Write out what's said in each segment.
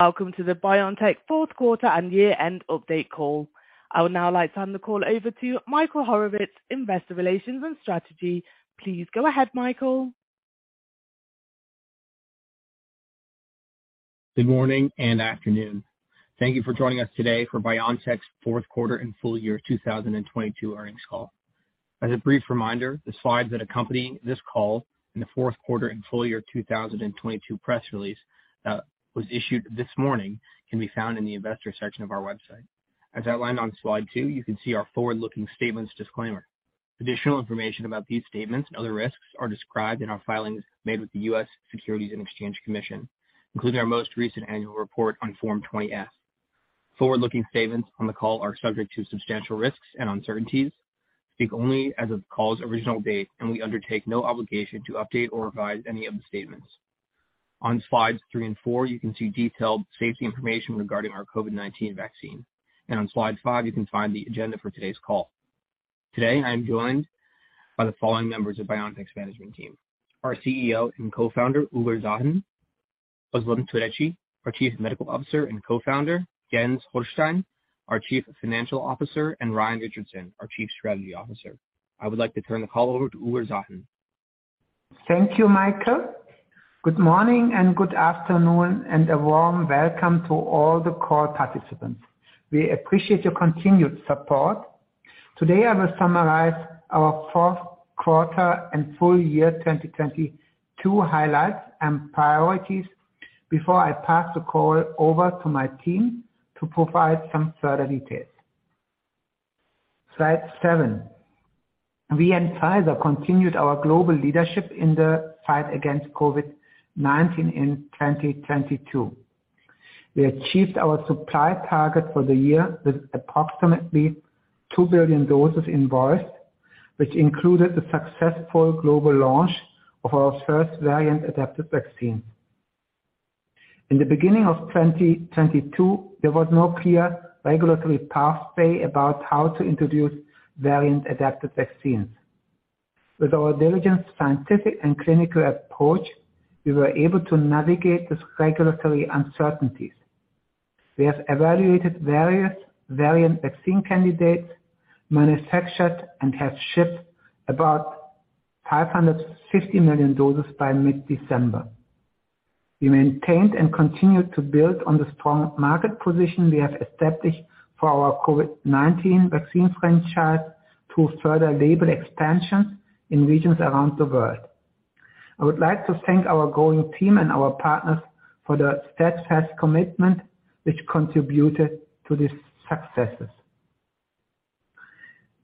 Welcome to the BioNTech Fourth Quarter and Year-End Update Call. I would now like to hand the call over to Michael Horowicz, Investor Relations and Strategy. Please go ahead, Michael. Good morning and afternoon. Thank you for joining us today for BioNTech's Fourth Quarter and Full Year 2022 Earnings Call. As a brief reminder, the slides that accompany this call in the fourth quarter and full year 2022 press release was issued this morning can be found in the investor section of our website. As outlined on slide two, you can see our forward-looking statements disclaimer. Additional information about these statements and other risks are described in our filings made with the U.S. Securities and Exchange Commission, including our most recent annual report on Form 20-F. Forward-looking statements on the call are subject to substantial risks and uncertainties, speak only as of the call's original date, and we undertake no obligation to update or revise any of the statements. On slides three and four, you can see detailed safety information regarding our COVID-19 vaccine. On slide five, you can find the agenda for today's call. Today, I am joined by the following members of BioNTech's management team. Our CEO and Co-founder, Ugur Sahin; Özlem Türeci, our Chief Medical Officer and Co-founder; Jens Holstein, our Chief Financial Officer, and Ryan Richardson, our Chief Strategy Officer. I would like to turn the call over to Ugur Sahin. Thank you, Michael. Good morning and good afternoon, and a warm welcome to all the call participants. We appreciate your continued support. Today, I will summarize our fourth quarter and full year 2022 highlights and priorities before I pass the call over to my team to provide some further details. Slide seven. We and Pfizer continued our global leadership in the fight against COVID-19 in 2022. We achieved our supply target for the year with approximately 2 billion doses involved, which included the successful global launch of our first variant-adapted vaccine. In the beginning of 2022, there was no clear regulatory pathway about how to introduce variant-adapted vaccines. With our diligent scientific and clinical approach, we were able to navigate these regulatory uncertainties. We have evaluated various variant vaccine candidates, manufactured and have shipped about 550 million doses by mid-December. We maintained and continued to build on the strong market position we have established for our COVID-19 vaccine franchise through further label expansion in regions around the world. I would like to thank our growing team and our partners for their steadfast commitment which contributed to these successes.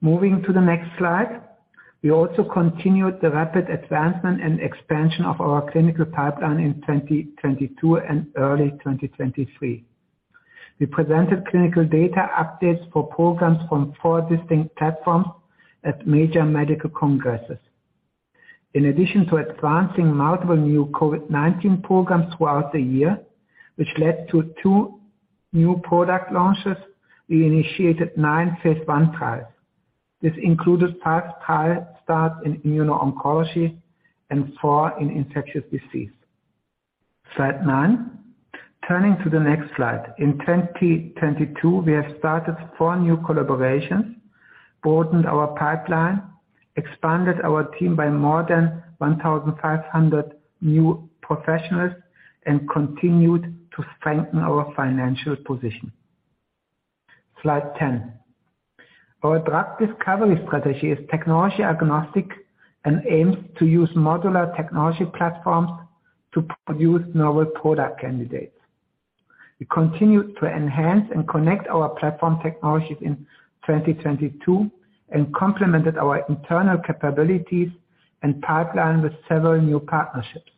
Moving to the next slide. We also continued the rapid advancement and expansion of our clinical pipeline in 2022 and early 2023. We presented clinical data updates for programs from four distinct platforms at major medical congresses. In addition to advancing multiple new COVID-19 programs throughout the year, which led to two new product launches, we initiated nine phase I trials. This included five trial starts in immuno-oncology and four in infectious disease. Slide nine. Turning to the next slide. In 2022, we have started four new collaborations, broadened our pipeline, expanded our team by more than 1,500 new professionals, and continued to strengthen our financial position. Slide 10. Our drug discovery strategy is technology agnostic and aims to use modular technology platforms to produce novel product candidates. We continued to enhance and connect our platform technologies in 2022 and complemented our internal capabilities and pipeline with several new partnerships.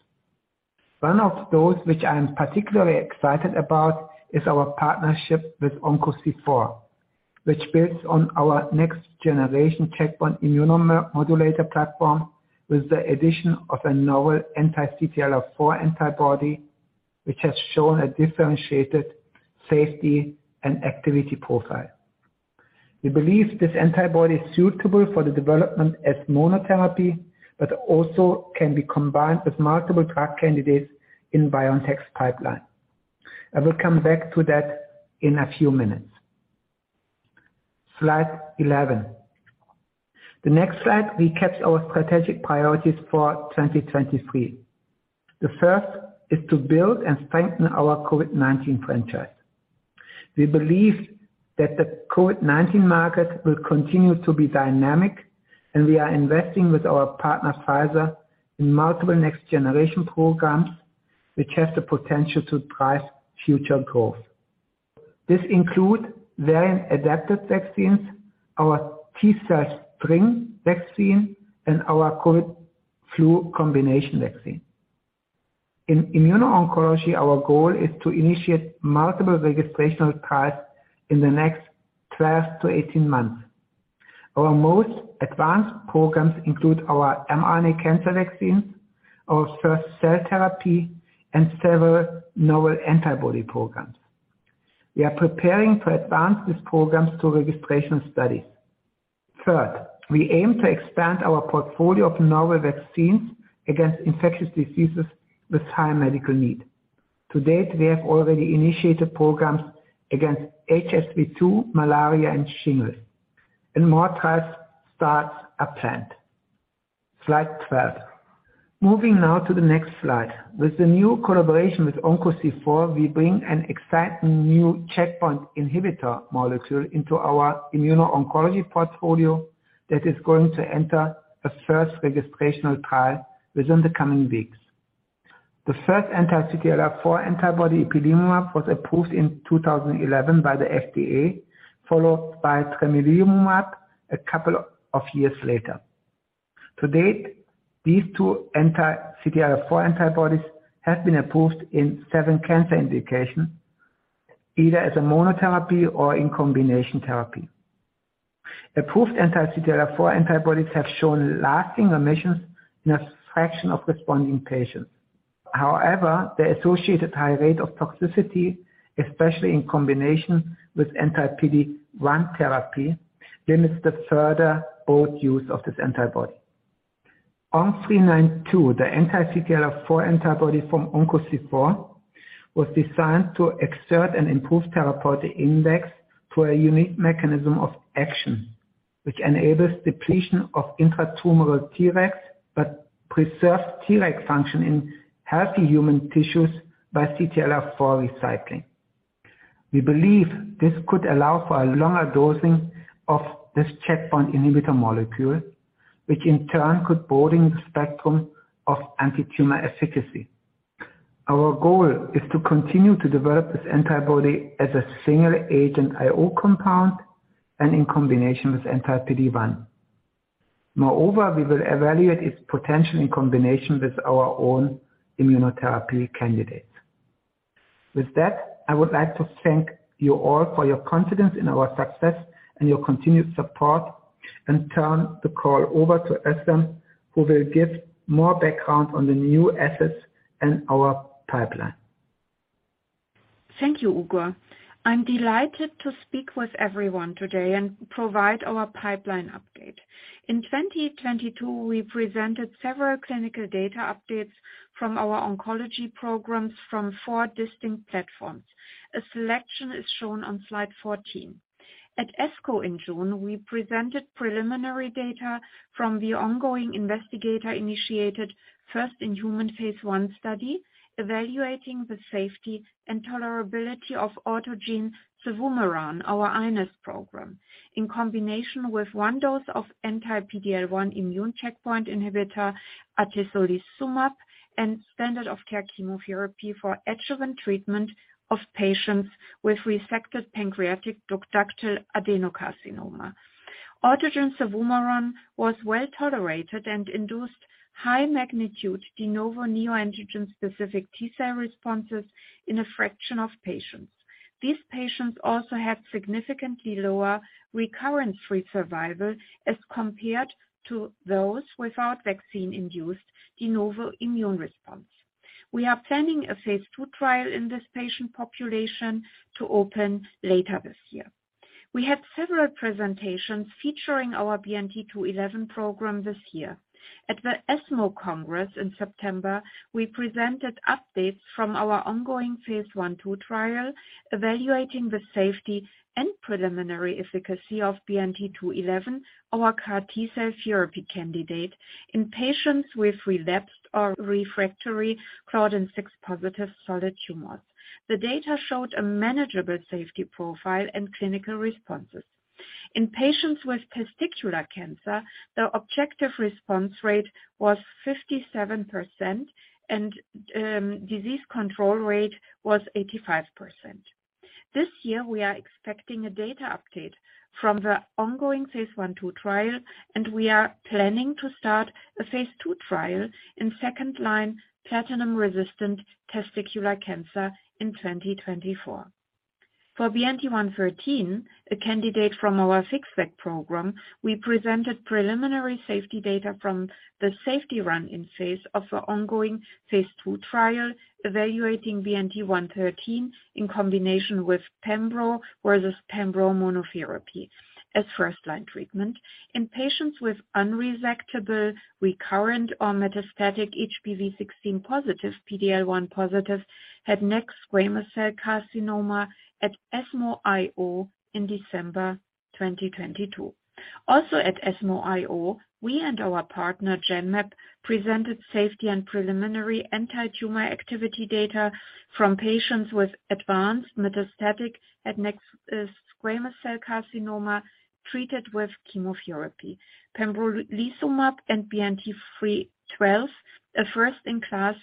One of those which I am particularly excited about is our partnership with OncoC4, which builds on our next generation checkpoint immunomodulator platform with the addition of a novel anti-CTLA-4 antibody, which has shown a differentiated safety and activity profile. We believe this antibody is suitable for the development as monotherapy but also can be combined with multiple drug candidates in BioNTech's pipeline. I will come back to that in a few minutes. Slide 11. The next slide recaps our strategic priorities for 2023. The first is to build and strengthen our COVID-19 franchise. We believe that the COVID-19 market will continue to be dynamic, and we are investing with our partner, Pfizer, in multiple next generation programs which have the potential to drive future growth. This includes variant-adapted vaccines, our T-cell String Vaccine, and our COVID flu combination vaccine. In immuno-oncology, our goal is to initiate multiple registrational trials in the next 12 to 18 months. Our most advanced programs include our mRNA cancer vaccine, our first cell therapy, and several novel antibody programs. We are preparing to advance these programs to registration studies. Third, we aim to expand our portfolio of novel vaccines against infectious diseases with high medical need. To date, we have already initiated programs against HSV2, malaria, and shingles, and more trials starts are planned. Slide 12. Moving now to the next slide. With the new collaboration with OncoC4, we bring an exciting new checkpoint inhibitor molecule into our immuno-oncology portfolio that is going to enter a first registrational trial within the coming weeks. The first anti-CTLA-4 antibody ipilimumab was approved in 2011 by the FDA, followed by tremelimumab a couple of years later. To date, these two anti-CTLA-4 antibodies have been approved in seven cancer indications, either as a monotherapy or in combination therapy. Approved anti-CTLA-4 antibodies have shown lasting remissions in a fraction of responding patients. The associated high rate of toxicity, especially in combination with anti-PD-1 therapy, limits the further bold use of this antibody. ONC-392, the anti-CTLA-4 antibody from OncoC4, was designed to exert an improved therapeutic index through a unique mechanism of action, which enables depletion of intratumoral Tregs, but preserves Treg function in healthy human tissues by CTLA-4 recycling. We believe this could allow for a longer dosing of this checkpoint inhibitor molecule, which in turn could broaden the spectrum of antitumor efficacy. Our goal is to continue to develop this antibody as a single agent IO compound and in combination with anti-PD-1. We will evaluate its potential in combination with our own immunotherapy candidates. With that, I would like to thank you all for your confidence in our success and your continued support and turn the call over to Özlem, who will give more background on the new assets in our pipeline. Thank you, Ugur. I'm delighted to speak with everyone today and provide our pipeline update. In 2022, we presented several clinical data updates from our oncology programs from four distinct platforms. A selection is shown on slide 14. At ASCO in June, we presented preliminary data from the ongoing investigator-initiated first-in-human phase I study evaluating the safety and tolerability of Autogene Cevumeran, our iNeST program, in combination with one dose of anti-PD-L1 immune checkpoint inhibitor, atezolizumab, and standard of care chemotherapy for adjuvant treatment of patients with resected pancreatic ductal adenocarcinoma. Autogene Cevumeran was well-tolerated and induced high magnitude de novo neoantigen-specific T-cell responses in a fraction of patients. These patients also had significantly lower recurrence-free survival as compared to those without vaccine-induced de novo immune response. We are planning a phase II trial in this patient population to open later this year. We had several presentations featuring our BNT211 program this year. At the ESMO Congress in September, we presented updates from our ongoing Phase I/II trial evaluating the safety and preliminary efficacy of BNT211, our CAR T-cell therapy candidate in patients with relapsed or refractory CLDN6-positive solid tumors. The data showed a manageable safety profile and clinical responses. In patients with testicular cancer, the objective response rate was 57% and disease control rate was 85%. This year, we are expecting a data update from the ongoing phase I/II trial, and we are planning to start a phase II trial in second-line platinum-resistant testicular cancer in 2024. For BNT113, a candidate from our FixVac program, we presented preliminary safety data from the safety run-in phase of the ongoing phase II trial evaluating BNT113 in combination with pembro versus pembro monotherapy as first-line treatment in patients with unresectable, recurrent, or metastatic HPV-16 positive, PD-L1 positive, Head and Neck Squamous Cell Carcinoma at ESMO IO in December 2022. Also at ESMO IO, we and our partner Genmab presented safety and preliminary antitumor activity data from patients with advanced metastatic Head and Neck Squamous Cell Carcinoma treated with chemotherapy. Pembrolizumab and BNT312, a first-in-class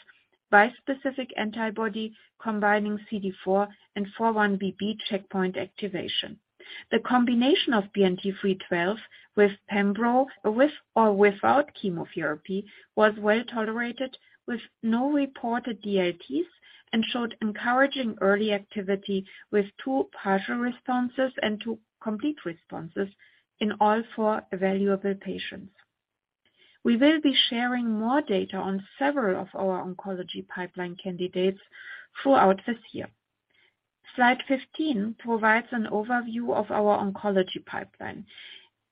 bispecific antibody combining CD40 and 4-1BB checkpoint activation. The combination of BNT312 with pembro, with or without chemotherapy, was well-tolerated with no reported DLTs and showed encouraging early activity with two partial responses and two complete responses in all four evaluable patients. We will be sharing more data on several of our oncology pipeline candidates throughout this year. Slide 15 provides an overview of our oncology pipeline,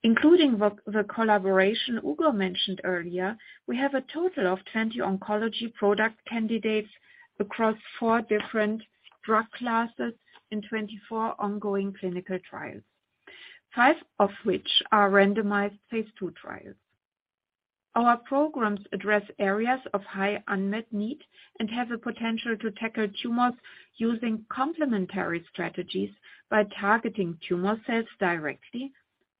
including the collaboration Ugur mentioned earlier. We have a total of 20 oncology product candidates across four different drug classes in 24 ongoing clinical trials, five of which are randomized phase II trials. Our programs address areas of high unmet need and have a potential to tackle tumors using complementary strategies by targeting tumor cells directly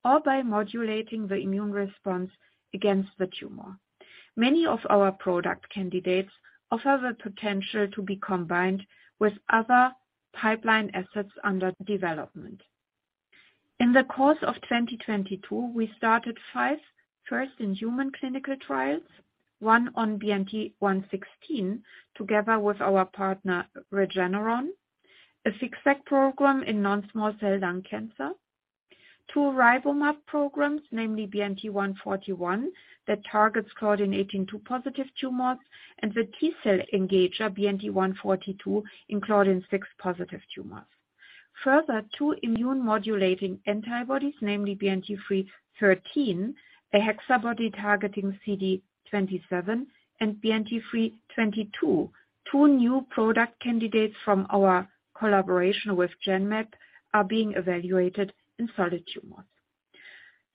or by modulating the immune response against the tumor. Many of our product candidates offer the potential to be combined with other pipeline assets under development. In the course of 2022, we started five first in human clinical trials, one on BNT116, together with our partner, Regeneron. A six-pack program in non-small cell lung cancer. Two RiboMab programs, namely BNT141, that targets CLDN18.2-positive tumors, and the T-cell engager, BNT142, including CLDN6-positive tumors. Further, two immune modulating antibodies, namely BNT313, a HexaBody targeting CD27 and BNT322. 2 new product candidates from our collaboration with Genmab are being evaluated in solid tumors.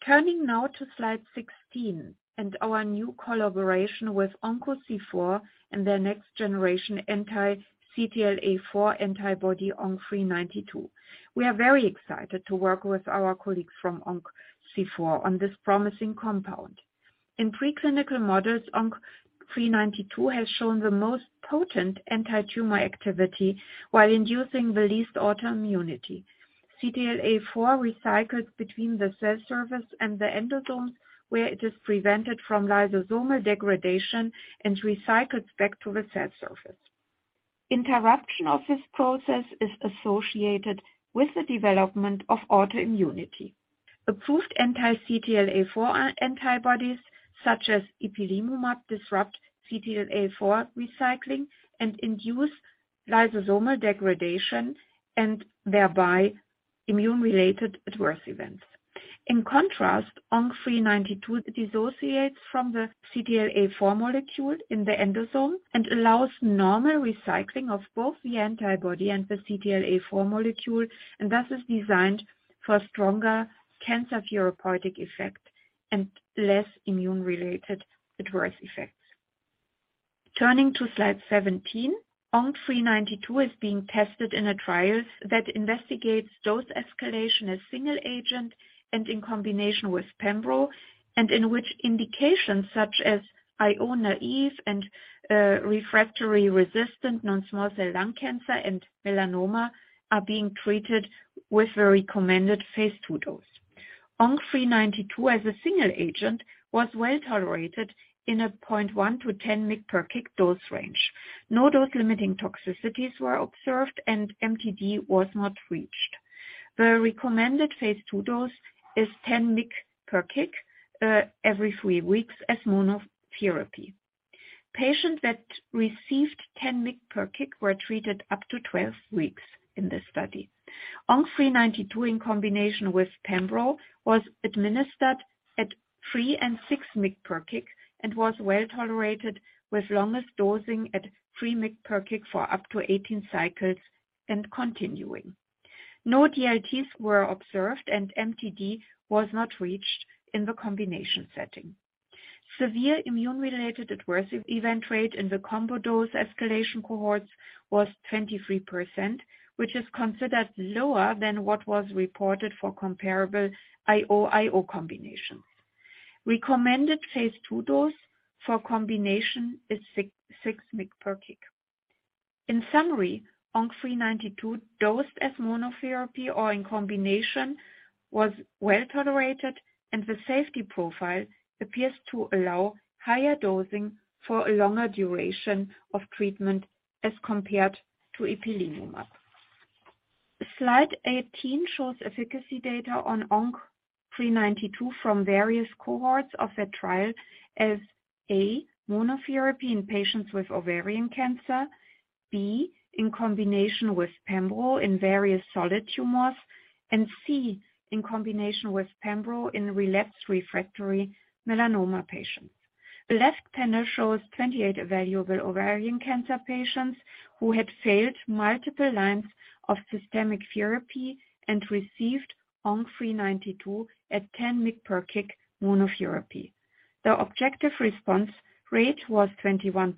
Turning now to slide 16 and our new collaboration with OncoC4 and their next generation anti-CTLA-4 antibody ONC-392. We are very excited to work with our colleagues from OncoC4 on this promising compound. In preclinical models, ONC-392 has shown the most potent antitumor activity while inducing the least autoimmunity. CTLA-4 recycles between the cell surface and the endosome, where it is prevented from lysosomal degradation and recycles back to the cell surface. Interruption of this process is associated with the development of autoimmunity. Approved anti-CTLA-4 antibodies, such as ipilimumab, disrupt CTLA-4 recycling and induce lysosomal degradation and thereby immune-related adverse events. In contrast, ONC-392 dissociates from the CTLA-4 molecule in the endosome and allows normal recycling of both the antibody and the CTLA-4 molecule and thus is designed for stronger cancer therapeutic effect and less immune-related adverse effects. Turning to slide 17, ONC-392 is being tested in a trial that investigates dose escalation as single agent and in combination with pembro, and in which indications such as IO naïve and refractory resistant non-small cell lung cancer and melanoma are being treated with the recommended phase II dose. ONC-392 as a single agent was well tolerated in a 0.1 mg-10 mg per kg dose range. No dose-limiting toxicities were observed and MTD was not reached. The recommended phase II dose is 10 mg per kg every three weeks as monotherapy. Patients that received 10 mg per kg were treated up to 12 weeks in this study. ONC-392 in combination with pembro was administered at 3 and 6 mg per kg and was well tolerated with longest dosing at 3 mg per kg for up to 18 cycles and continuing. No DLTs were observed and MTD was not reached in the combination setting. Severe immune-related adverse event rate in the combo dose escalation cohorts was 23%, which is considered lower than what was reported for comparable IO/IO combinations. Recommended phase II dose for combination is 6 mg per kg. In summary, ONC-392 dosed as monotherapy or in combination was well tolerated, and the safety profile appears to allow higher dosing for a longer duration of treatment as compared to ipilimumab. Slide 18 shows efficacy data on ONC-392 from various cohorts of the trial as, A, monotherapy in patients with ovarian cancer. B, in combination with pembro in various solid tumors, and C, in combination with pembro in relapsed refractory melanoma patients. The left panel shows 28 evaluable ovarian cancer patients who had failed multiple lines of systemic therapy and received ONC-392 at 10 mg/kg monotherapy. The objective response rate was 21%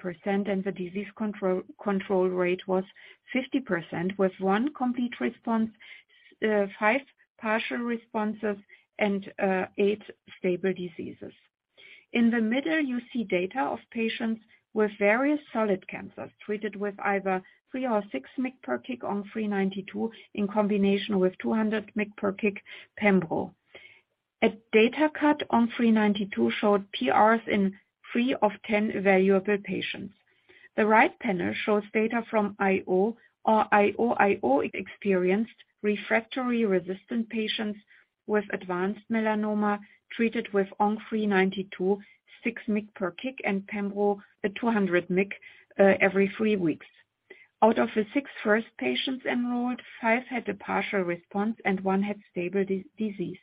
and the disease control rate was 50%, with one complete response, five partial responses, and eight stable diseases. In the middle, you see data of patients with various solid cancers treated with either 3 or 6 mg/kg ONC-392 in combination with 200 mg/kg pembro. At data cut, ONC-392 showed PRs in three of 10 evaluable patients. The right panel shows data from IO or IO/IO experienced refractory resistant patients with advanced melanoma treated with ONC-392, 6 mg/kg and pembro, 200 mg every three weeks. Out of the six first patients enrolled, five had a partial response and one had stable disease.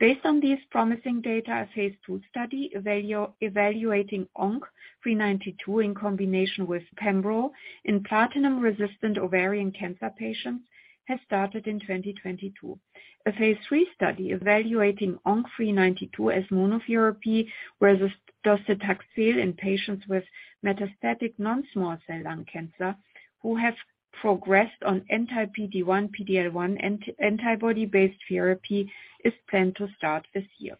Based on these promising data, a phase II study evaluating ONC-392 in combination with pembro in platinum resistant ovarian cancer patients has started in 2022. A phase III study evaluating ONC-392 as monotherapy docetaxel in patients with metastatic non-small cell lung cancer who have progressed on anti-PD-1, PD-L1 antibody based therapy is planned to start this year.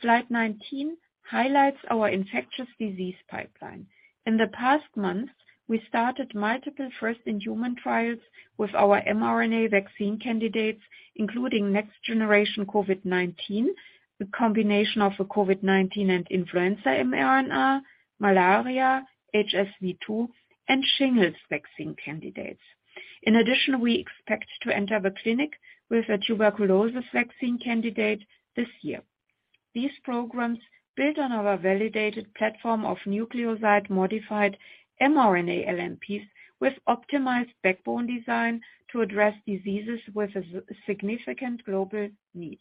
Slide 19 highlights our infectious disease pipeline. In the past months, we started multiple first in human trials with our mRNA vaccine candidates, including next generation COVID-19, a combination of a COVID-19 and influenza mRNA, malaria, HSV-2 and shingles vaccine candidates. We expect to enter the clinic with a tuberculosis vaccine candidate this year. These programs build on our validated platform of nucleoside-modified mRNA LNPs with optimized backbone design to address diseases with a significant global need.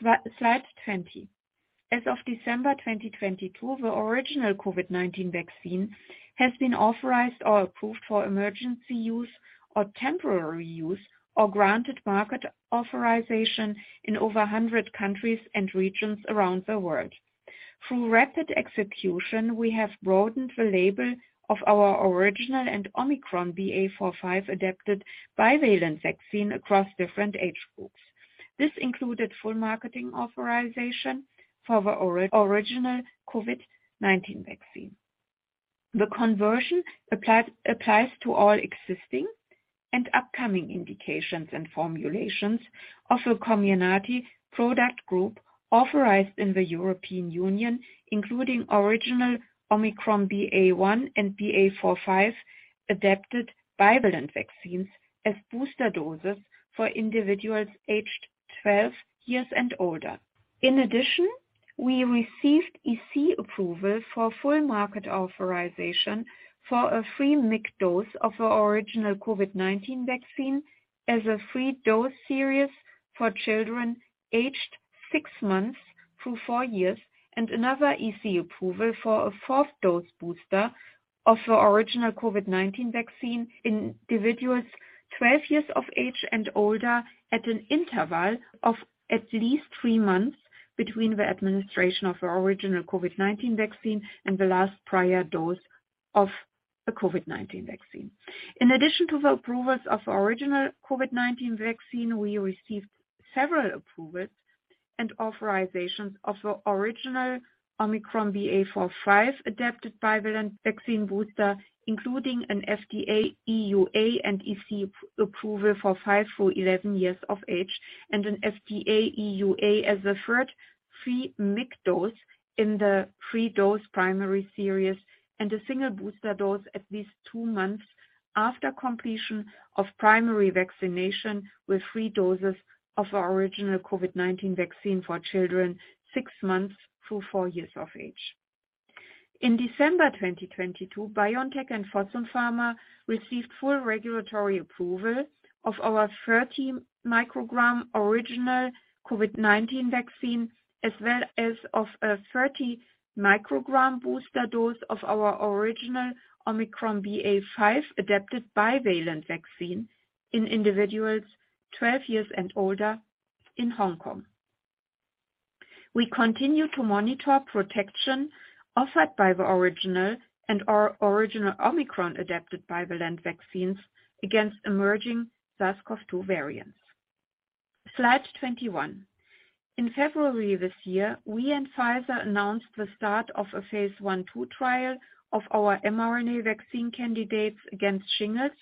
Slide 20. As of December 2022, the original COVID-19 vaccine has been authorized or approved for emergency use or temporary use or granted market authorization in over 100 countries and regions around the world. Through rapid execution, we have broadened the label of our original and Omicron BA.4/5 adapted bivalent vaccine across different age groups. This included full marketing authorization for the original COVID-19 vaccine. The conversion applies to all existing and upcoming indications and formulations of the Comirnaty product group authorized in the European Union, including original Omicron BA.1 and BA.4/5 adapted bivalent vaccines as booster doses for individuals aged 12 years and older. In addition, we received EC approval for full market authorization for a 3 mg dose of our original COVID-19 vaccine as a three-dose series for children aged six months through four years, and another EC approval for a fourth dose booster of the original COVID-19 vaccine in individuals 12 years of age and older, at an interval of at least three months between the administration of the original COVID-19 vaccine and the last prior dose of the COVID-19 vaccine. In addition to the approvals of original COVID-19 vaccine, we received several approvals and authorizations of the original Omicron BA.4.5 adapted bivalent vaccine booster, including an FDA EUA and EC pre-approval for five through 11 years of age and an FDA EUA as a third 3 mg dose in the three dose primary series and a single booster dose at least two months after completion of primary vaccination with three doses of our original COVID-19 vaccine for children six months through four years of age. In December 2022, BioNTech and Fosun Pharma received full regulatory approval of our 30-microgram original COVID-19 vaccine, as well as of a 30-microgram booster dose of our original Omicron BA.5 adapted bivalent vaccine in individuals 12 years and older in Hong Kong. We continue to monitor protection offered by the original and our original Omicron adapted bivalent vaccines against emerging SARS-CoV-2 variants. Slide 21. In February this year, we and Pfizer announced the start of a phase I, II trials of our mRNA vaccine candidates against shingles,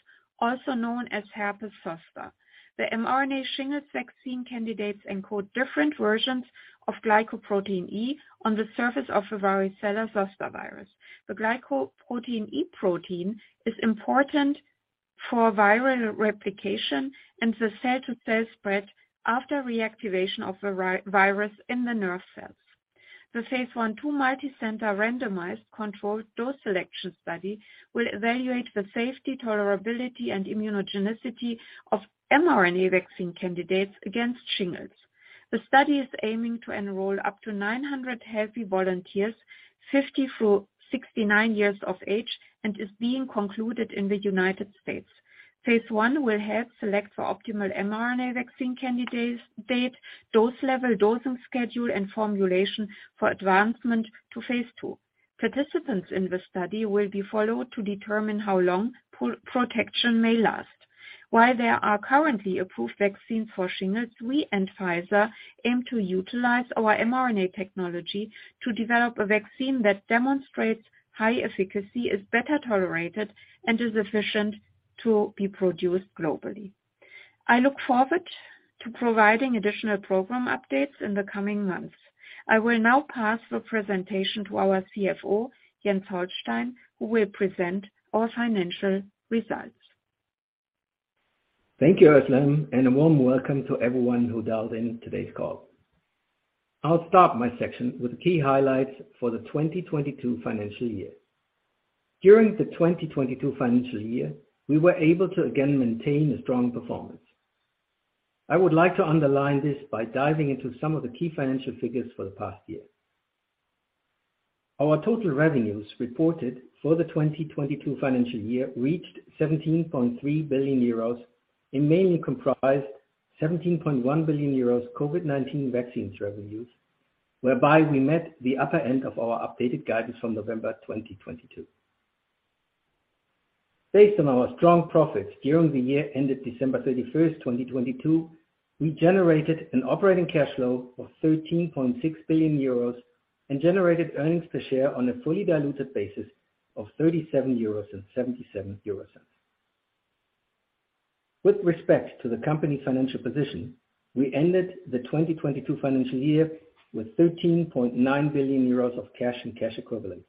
also known as herpes zoster. The mRNA shingles vaccine candidates encode different versions of gE on the surface of the varicella-zoster virus. The gE protein is important for viral replication and the cell to cell spread after reactivation of the virus in the nerve cells. The phase I, II multicenter randomized controlled dose selection study will evaluate the safety, tolerability and immunogenicity of mRNA vaccine candidates against shingles. The study is aiming to enroll up to 900 healthy volunteers, 50-69 years of age and is being concluded in the United States. Phase I will help select for optimal mRNA vaccine candidates, dose level, dosing schedule and formulation for advancement to phase II. Participants in the study will be followed to determine how long pro-protection may last. While there are currently approved vaccines for shingles, we and Pfizer aim to utilize our mRNA technology to develop a vaccine that demonstrates high efficacy, is better tolerated and is efficient to be produced globally. I look forward to providing additional program updates in the coming months. I will now pass the presentation to our CFO, Jens Holstein, who will present our financial results. Thank you, Özlem, a warm welcome to everyone who dialed in today's call. I'll start my section with key highlights for the 2022 financial year. During the 2022 financial year, we were able to again maintain a strong performance. I would like to underline this by diving into some of the key financial figures for the past year. Our total revenues reported for the 2022 financial year reached 17.3 billion euros and mainly comprised 17.1 billion euros COVID-19 vaccines revenues, whereby we met the upper end of our updated guidance from November 2022. Based on our strong profits during the year ended December 31st, 2022, we generated an operating cash flow of 13.6 billion euros and generated earnings per share on a fully diluted basis of 37.77 euros. With respect to the company's financial position, we ended the 2022 financial year with 13.9 billion euros of cash and cash equivalents.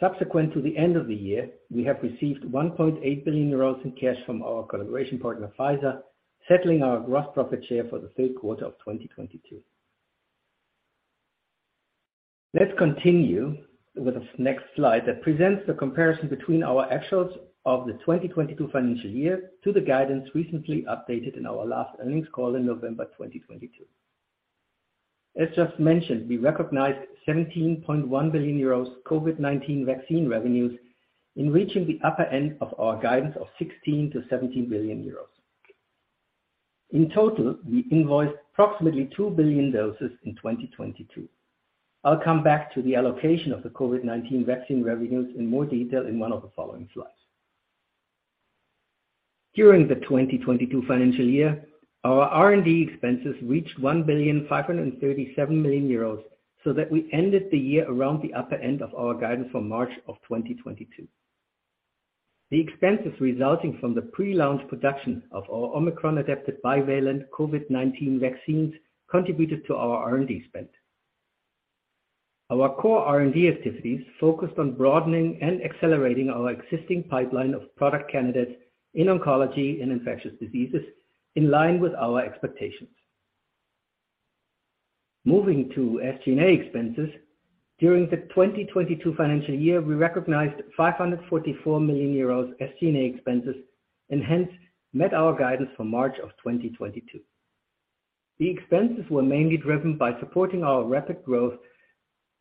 Subsequent to the end of the year, we have received 1.8 billion euros in cash from our collaboration partner, Pfizer, settling our gross profit share for the third quarter of 2022. Let's continue with the next slide that presents the comparison between our actuals of the 2022 financial year to the guidance recently updated in our last earnings call in November 2022. As just mentioned, we recognized 17.1 billion euros COVID-19 vaccine revenues in reaching the upper end of our guidance of 16 billion-17 billion euros. In total, we invoiced approximately 2 billion doses in 2022. I'll come back to the allocation of the COVID-19 vaccine revenues in more detail in one of the following slides. During the 2022 financial year, our R&D expenses reached 1,537 million euros, so that we ended the year around the upper end of our guidance from March of 2022. The expenses resulting from the pre-launch production of our Omicron-adapted bivalent COVID-19 vaccines contributed to our R&D spend. Our core R&D activities focused on broadening and accelerating our existing pipeline of product candidates in oncology and infectious diseases in line with our expectations. Moving to SG&A expenses. During the 2022 financial year, we recognized 544 million euros SG&A expenses and hence met our guidance from March of 2022. The expenses were mainly driven by supporting our rapid growth,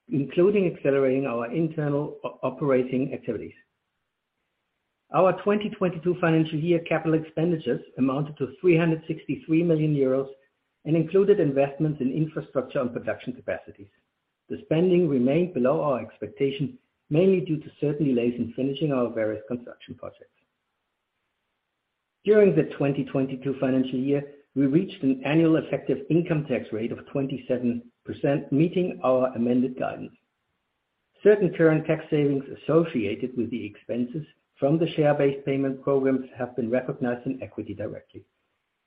including accelerating our internal operating activities. Our 2022 financial year capital expenditures amounted to 363 million euros and included investments in infrastructure and production capacities. The spending remained below our expectations, mainly due to certain delays in finishing our various construction projects. During the 2022 financial year, we reached an annual effective income tax rate of 27%, meeting our amended guidance. Certain current tax savings associated with the expenses from the share-based payment programs have been recognized in equity directly.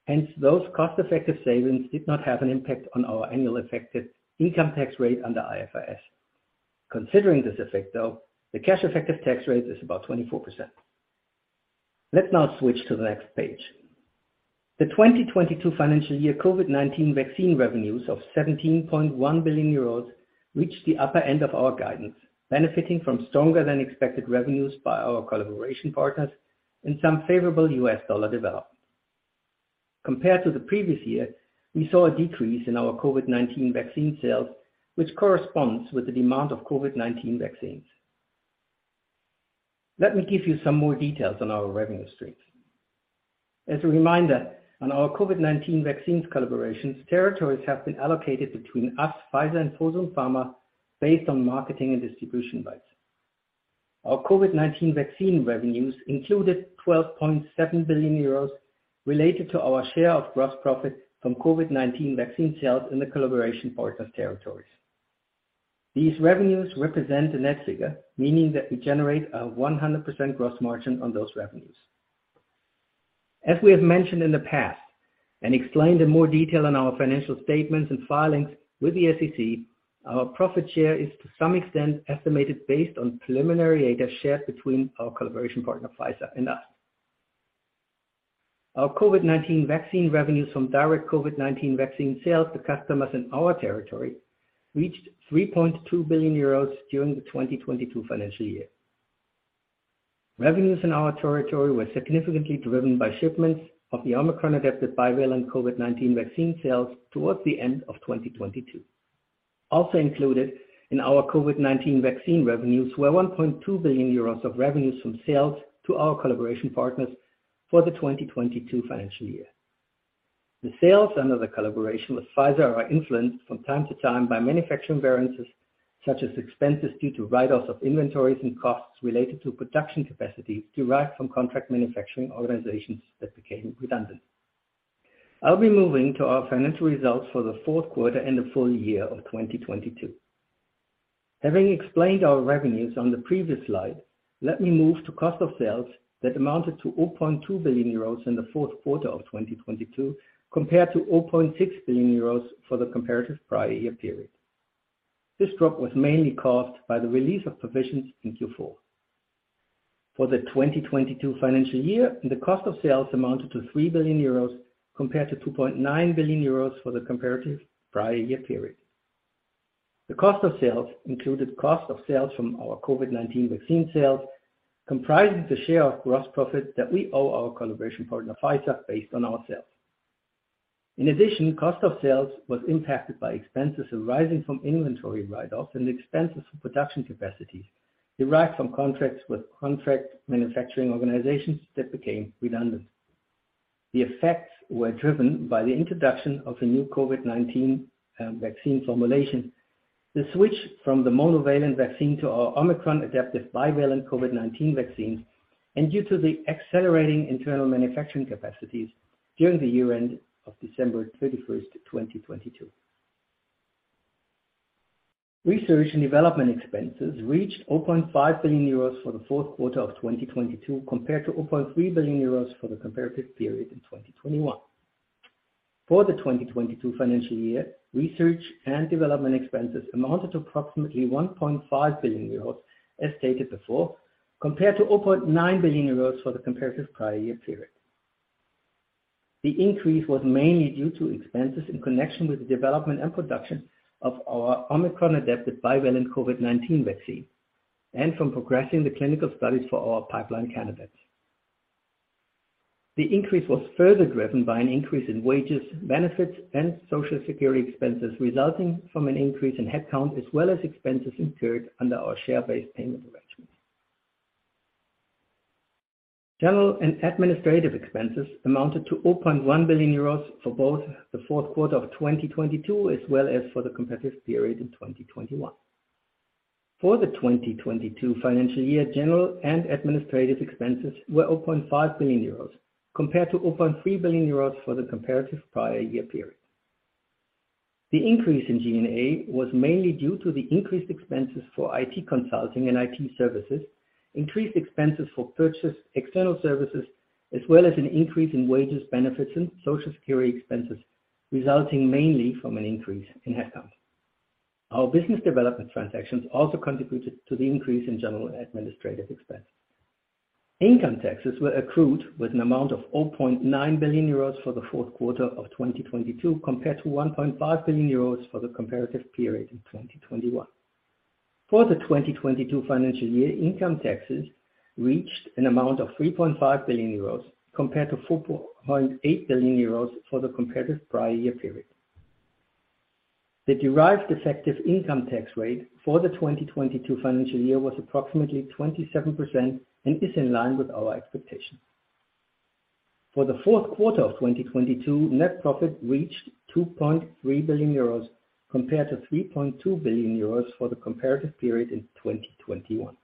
Hence, those cost-effective savings did not have an impact on our annual effective income tax rate under IFRS. Considering this effect though, the cash effective tax rate is about 24%. Let's now switch to the next page. The 2022 financial year COVID-19 vaccine revenues of 17.1 billion euros reached the upper end of our guidance, benefiting from stronger than expected revenues by our collaboration partners and some favorable U.S. dollar development. Compared to the previous year, we saw a decrease in our COVID-19 vaccine sales, which corresponds with the demand of COVID-19 vaccines. Let me give you some more details on our revenue stream. As a reminder, on our COVID-19 vaccines collaborations, territories have been allocated between us, Pfizer and Fosun Pharma based on marketing and distribution rights. Our COVID-19 vaccine revenues included 12.7 billion euros related to our share of gross profit from COVID-19 vaccine sales in the collaboration partner's territories. These revenues represent the net figure, meaning that we generate a 100% gross margin on those revenues. As we have mentioned in the past and explained in more detail on our financial statements and filings with the SEC, our profit share is to some extent estimated based on preliminary data shared between our collaboration partner, Pfizer and us. Our COVID-19 vaccine revenues from direct COVID-19 vaccine sales to customers in our territory reached 3.2 billion euros during the 2022 financial year. Revenues in our territory were significantly driven by shipments of the Omicron-adapted bivalent COVID-19 vaccine sales towards the end of 2022. Also included in our COVID-19 vaccine revenues were 1.2 billion euros of revenues from sales to our collaboration partners for the 2022 financial year. The sales under the collaboration with Pfizer are influenced from time to time by manufacturing variances such as expenses due to write-offs of inventories and costs related to production capacity derived from contract manufacturing organizations that became redundant. I'll be moving to our financial results for the fourth quarter and the full year of 2022. Having explained our revenues on the previous slide, let me move to Cost of Sales that amounted to 2 billion euros in the fourth quarter of 2022, compared to 6 billion euros for the comparative prior-year period. This drop was mainly caused by the release of provisions in Q4. For the 2022 financial year, the Cost of Sales amounted to 3 billion euros compared to 2.9 billion euros for the comparative prior-year period. The Cost of Sales included Cost of Sales from our COVID-19 vaccine sales, comprising the share of gross profit that we owe our collaboration partner, Pfizer, based on our sales. Cost of Sales was impacted by expenses arising from inventory write-offs and expenses for production capacities derived from contracts with contract manufacturing organizations that became redundant. The effects were driven by the introduction of a new COVID-19 vaccine formulation, the switch from the monovalent vaccine to our Omicron-adapted bivalent COVID-19 vaccine, and due to the accelerating internal manufacturing capacities during the year end of December 31, 2022. Research and development expenses reached 0.5 billion euros for the fourth quarter of 2022, compared to 0.3 billion euros for the comparative period in 2021. For the 2022 financial year, research and development expenses amounted to approximately 0.5 billion euros, as stated before, compared to 0.9 billion euros for the comparative prior year period. The increase was mainly due to expenses in connection with the development and production of our Omicron-adapted bivalent COVID-19 vaccine and from progressing the clinical studies for our pipeline candidates. The increase was further driven by an increase in wages, benefits, and social security expenses resulting from an increase in headcount as well as expenses incurred under our share-based payment arrangement. General and administrative expenses amounted to 0.1 billion euros for both the fourth quarter of 2022 as well as for the competitive period in 2021. For the 2022 financial year, general and administrative expenses were 0.5 billion euros, compared to 0.3 billion euros for the comparative prior year period. The increase in G&A was mainly due to the increased expenses for IT consulting and IT services, increased expenses for purchased external services, as well as an increase in wages, benefits, and social security expenses, resulting mainly from an increase in headcount. Our business development transactions also contributed to the increase in general and administrative expenses. Income taxes were accrued with an amount of 0.9 billion euros for the fourth quarter of 2022, compared to 1.5 billion euros for the comparative period in 2021. For the 2022 financial year, income taxes reached an amount of 3.5 billion euros, compared to 4.8 billion euros for the comparative prior year period. The derived effective income tax rate for the 2022 financial year was approximately 27% and is in line with our expectations. For the fourth quarter of 2022, net profit reached 2.3 billion euros, compared to 3.2 billion euros for the comparative period in 2021.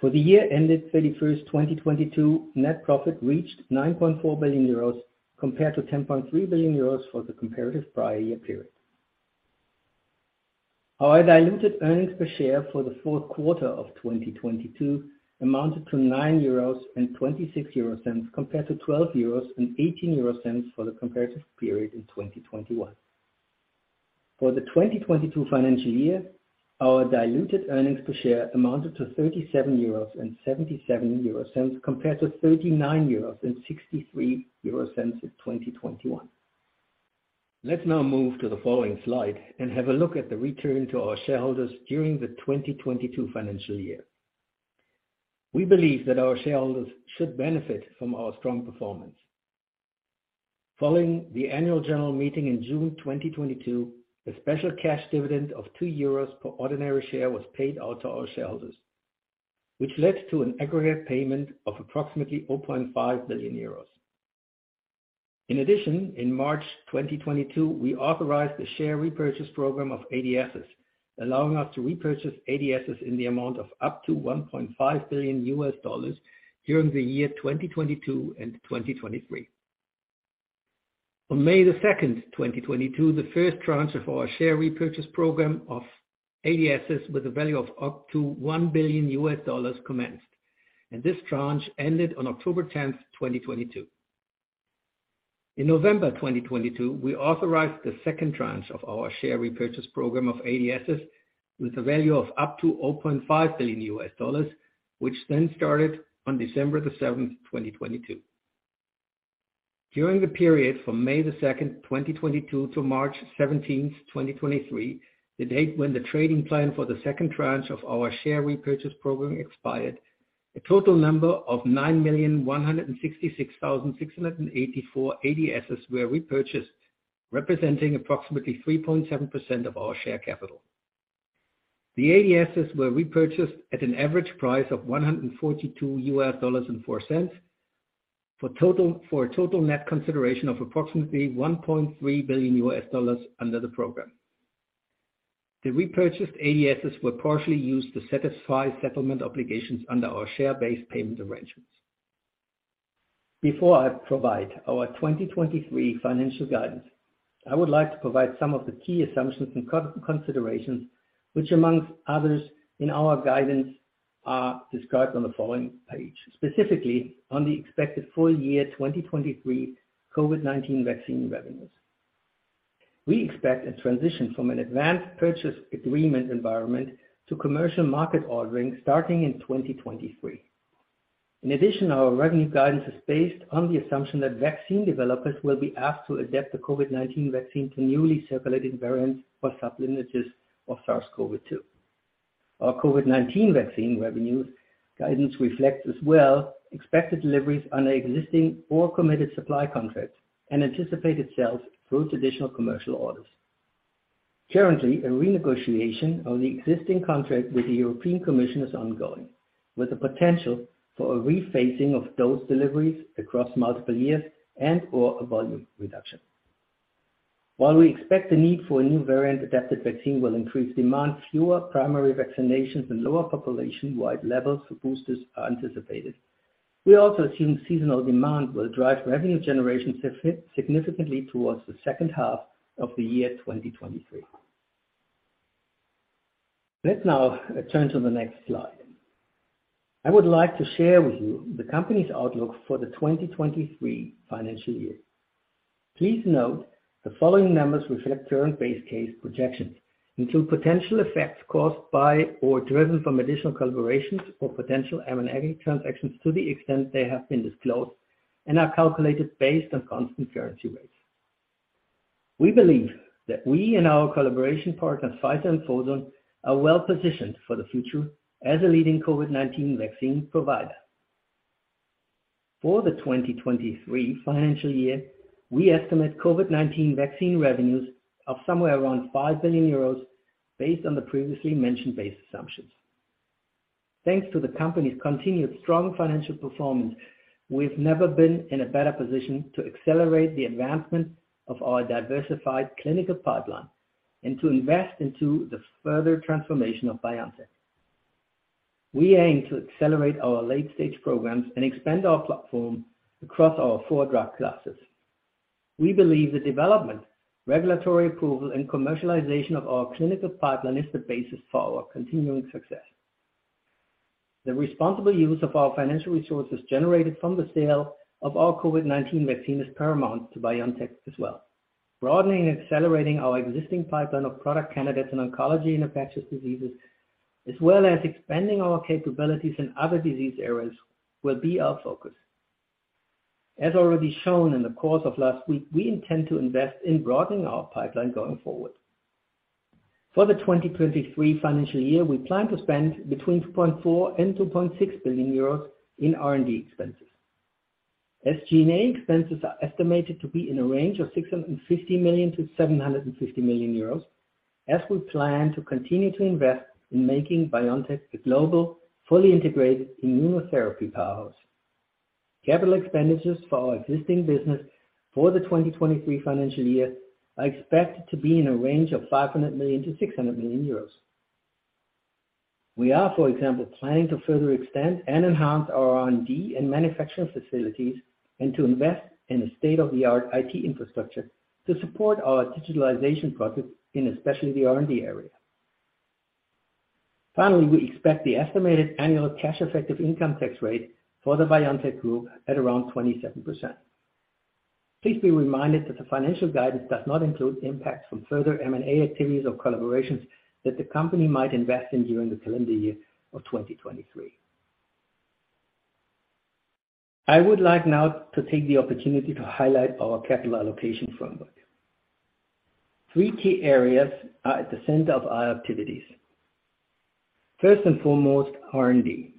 For the year ended 31st, 2022, net profit reached 9.4 billion euros, compared to 10.3 billion euros for the comparative prior year period. Our diluted earnings per share for the fourth quarter of 2022 amounted to 9.26 euros compared to 12.18 euros for the comparative period in 2021. For the 2022 financial year, our diluted earnings per share amounted to 37.77 euros compared to 39.63 euros in 2021. Let's now move to the following slide and have a look at the return to our shareholders during the 2022 financial year. We believe that our shareholders should benefit from our strong performance. Following the annual general meeting in June 2022, a special cash dividend of 2 euros per ordinary share was paid out to our shareholders, which led to an aggregate payment of approximately 0.5 billion euros. In March 2022, we authorized a share repurchase program of ADSs, allowing us to repurchase ADSs in the amount of up to $1.5 billion during the year 2022 and 2023. On May 2, 2022, the first tranche of our share repurchase program of ADSs with a value of up to $1 billion commenced. This tranche ended on October 10, 2022. In November 2022, we authorized the second tranche of our share repurchase program of ADSs with a value of up to EUR 0.5 billion, started on December 7, 2022. During the period from May 2, 2022 to March 17, 2023, the date when the trading plan for the second tranche of our share repurchase program expired, a total number of 9,166,684 ADSs were repurchased, representing approximately 3.7% of our share capital. The ADSs were repurchased at an average price of $142.04 for a total net consideration of approximately $1.3 billion under the program. The repurchased ADSs were partially used to satisfy settlement obligations under our share-based payment arrangements. Before I provide our 2023 financial guidance, I would like to provide some of the key assumptions and considerations which amongst others in our guidance are described on the following page, specifically on the expected full year 2023 COVID-19 vaccine revenues. We expect a transition from an advanced purchase agreement environment to commercial market ordering starting in 2023. In addition, our revenue guidance is based on the assumption that vaccine developers will be asked to adapt the COVID-19 vaccine to newly circulated variants or sub-lineages of SARS-CoV-2. Our COVID-19 vaccine revenue guidance reflects as well expected deliveries under existing or committed supply contracts and anticipated sales through traditional commercial orders. Currently, a renegotiation of the existing contract with the European Commission is ongoing, with the potential for a rephasing of those deliveries across multiple years and or a volume reduction. While we expect the need for a new variant-adapted vaccine will increase demand, fewer primary vaccinations and lower population-wide levels for boosters are anticipated. We also assume seasonal demand will drive revenue generation significantly towards the second half of the year 2023. Let's now turn to the next slide. I would like to share with you the company's outlook for the 2023 financial year. Please note the following numbers reflect current base case projections into potential effects caused by or driven from additional collaborations or potential M&A transactions to the extent they have been disclosed and are calculated based on constant currency rates. We believe that we and our collaboration partners, Pfizer and Fosun, are well positioned for the future as a leading COVID-19 vaccine provider. For the 2023 financial year, we estimate COVID-19 vaccine revenues of somewhere around 5 billion euros based on the previously mentioned base assumptions. Thanks to the company's continued strong financial performance, we've never been in a better position to accelerate the advancement of our diversified clinical pipeline and to invest into the further transformation of BioNTech. We aim to accelerate our late-stage programs and expand our platform across our four drug classes. We believe the development, regulatory approval, and commercialization of our clinical pipeline is the basis for our continuing success. The responsible use of our financial resources generated from the sale of our COVID-19 vaccine is paramount to BioNTech as well. Broadening and accelerating our existing pipeline of product candidates in oncology and infectious diseases, as well as expanding our capabilities in other disease areas will be our focus. As already shown in the course of last week, we intend to invest in broadening our pipeline going forward. For the 2023 financial year, we plan to spend between 2.4 billion and 2.6 billion euros in R&D expenses. SG&A expenses are estimated to be in a range of 650 million to 750 million euros as we plan to continue to invest in making BioNTech a global, fully integrated immunotherapy powerhouse. Capital expenditures for our existing business for the 2023 financial year are expected to be in a range of 500 million to 600 million euros. We are, for example, planning to further extend and enhance our R&D and manufacturing facilities and to invest in a state-of-the-art IT infrastructure to support our digitalization projects in especially the R&D area. Finally, we expect the estimated annual cash effective income tax rate for the BioNTech group at around 27%. Please be reminded that the financial guidance does not include impacts from further M&A activities or collaborations that the company might invest in during the calendar year of 2023. I would like now to take the opportunity to highlight our capital allocation framework. Three key areas are at the center of our activities. First and foremost, R&D.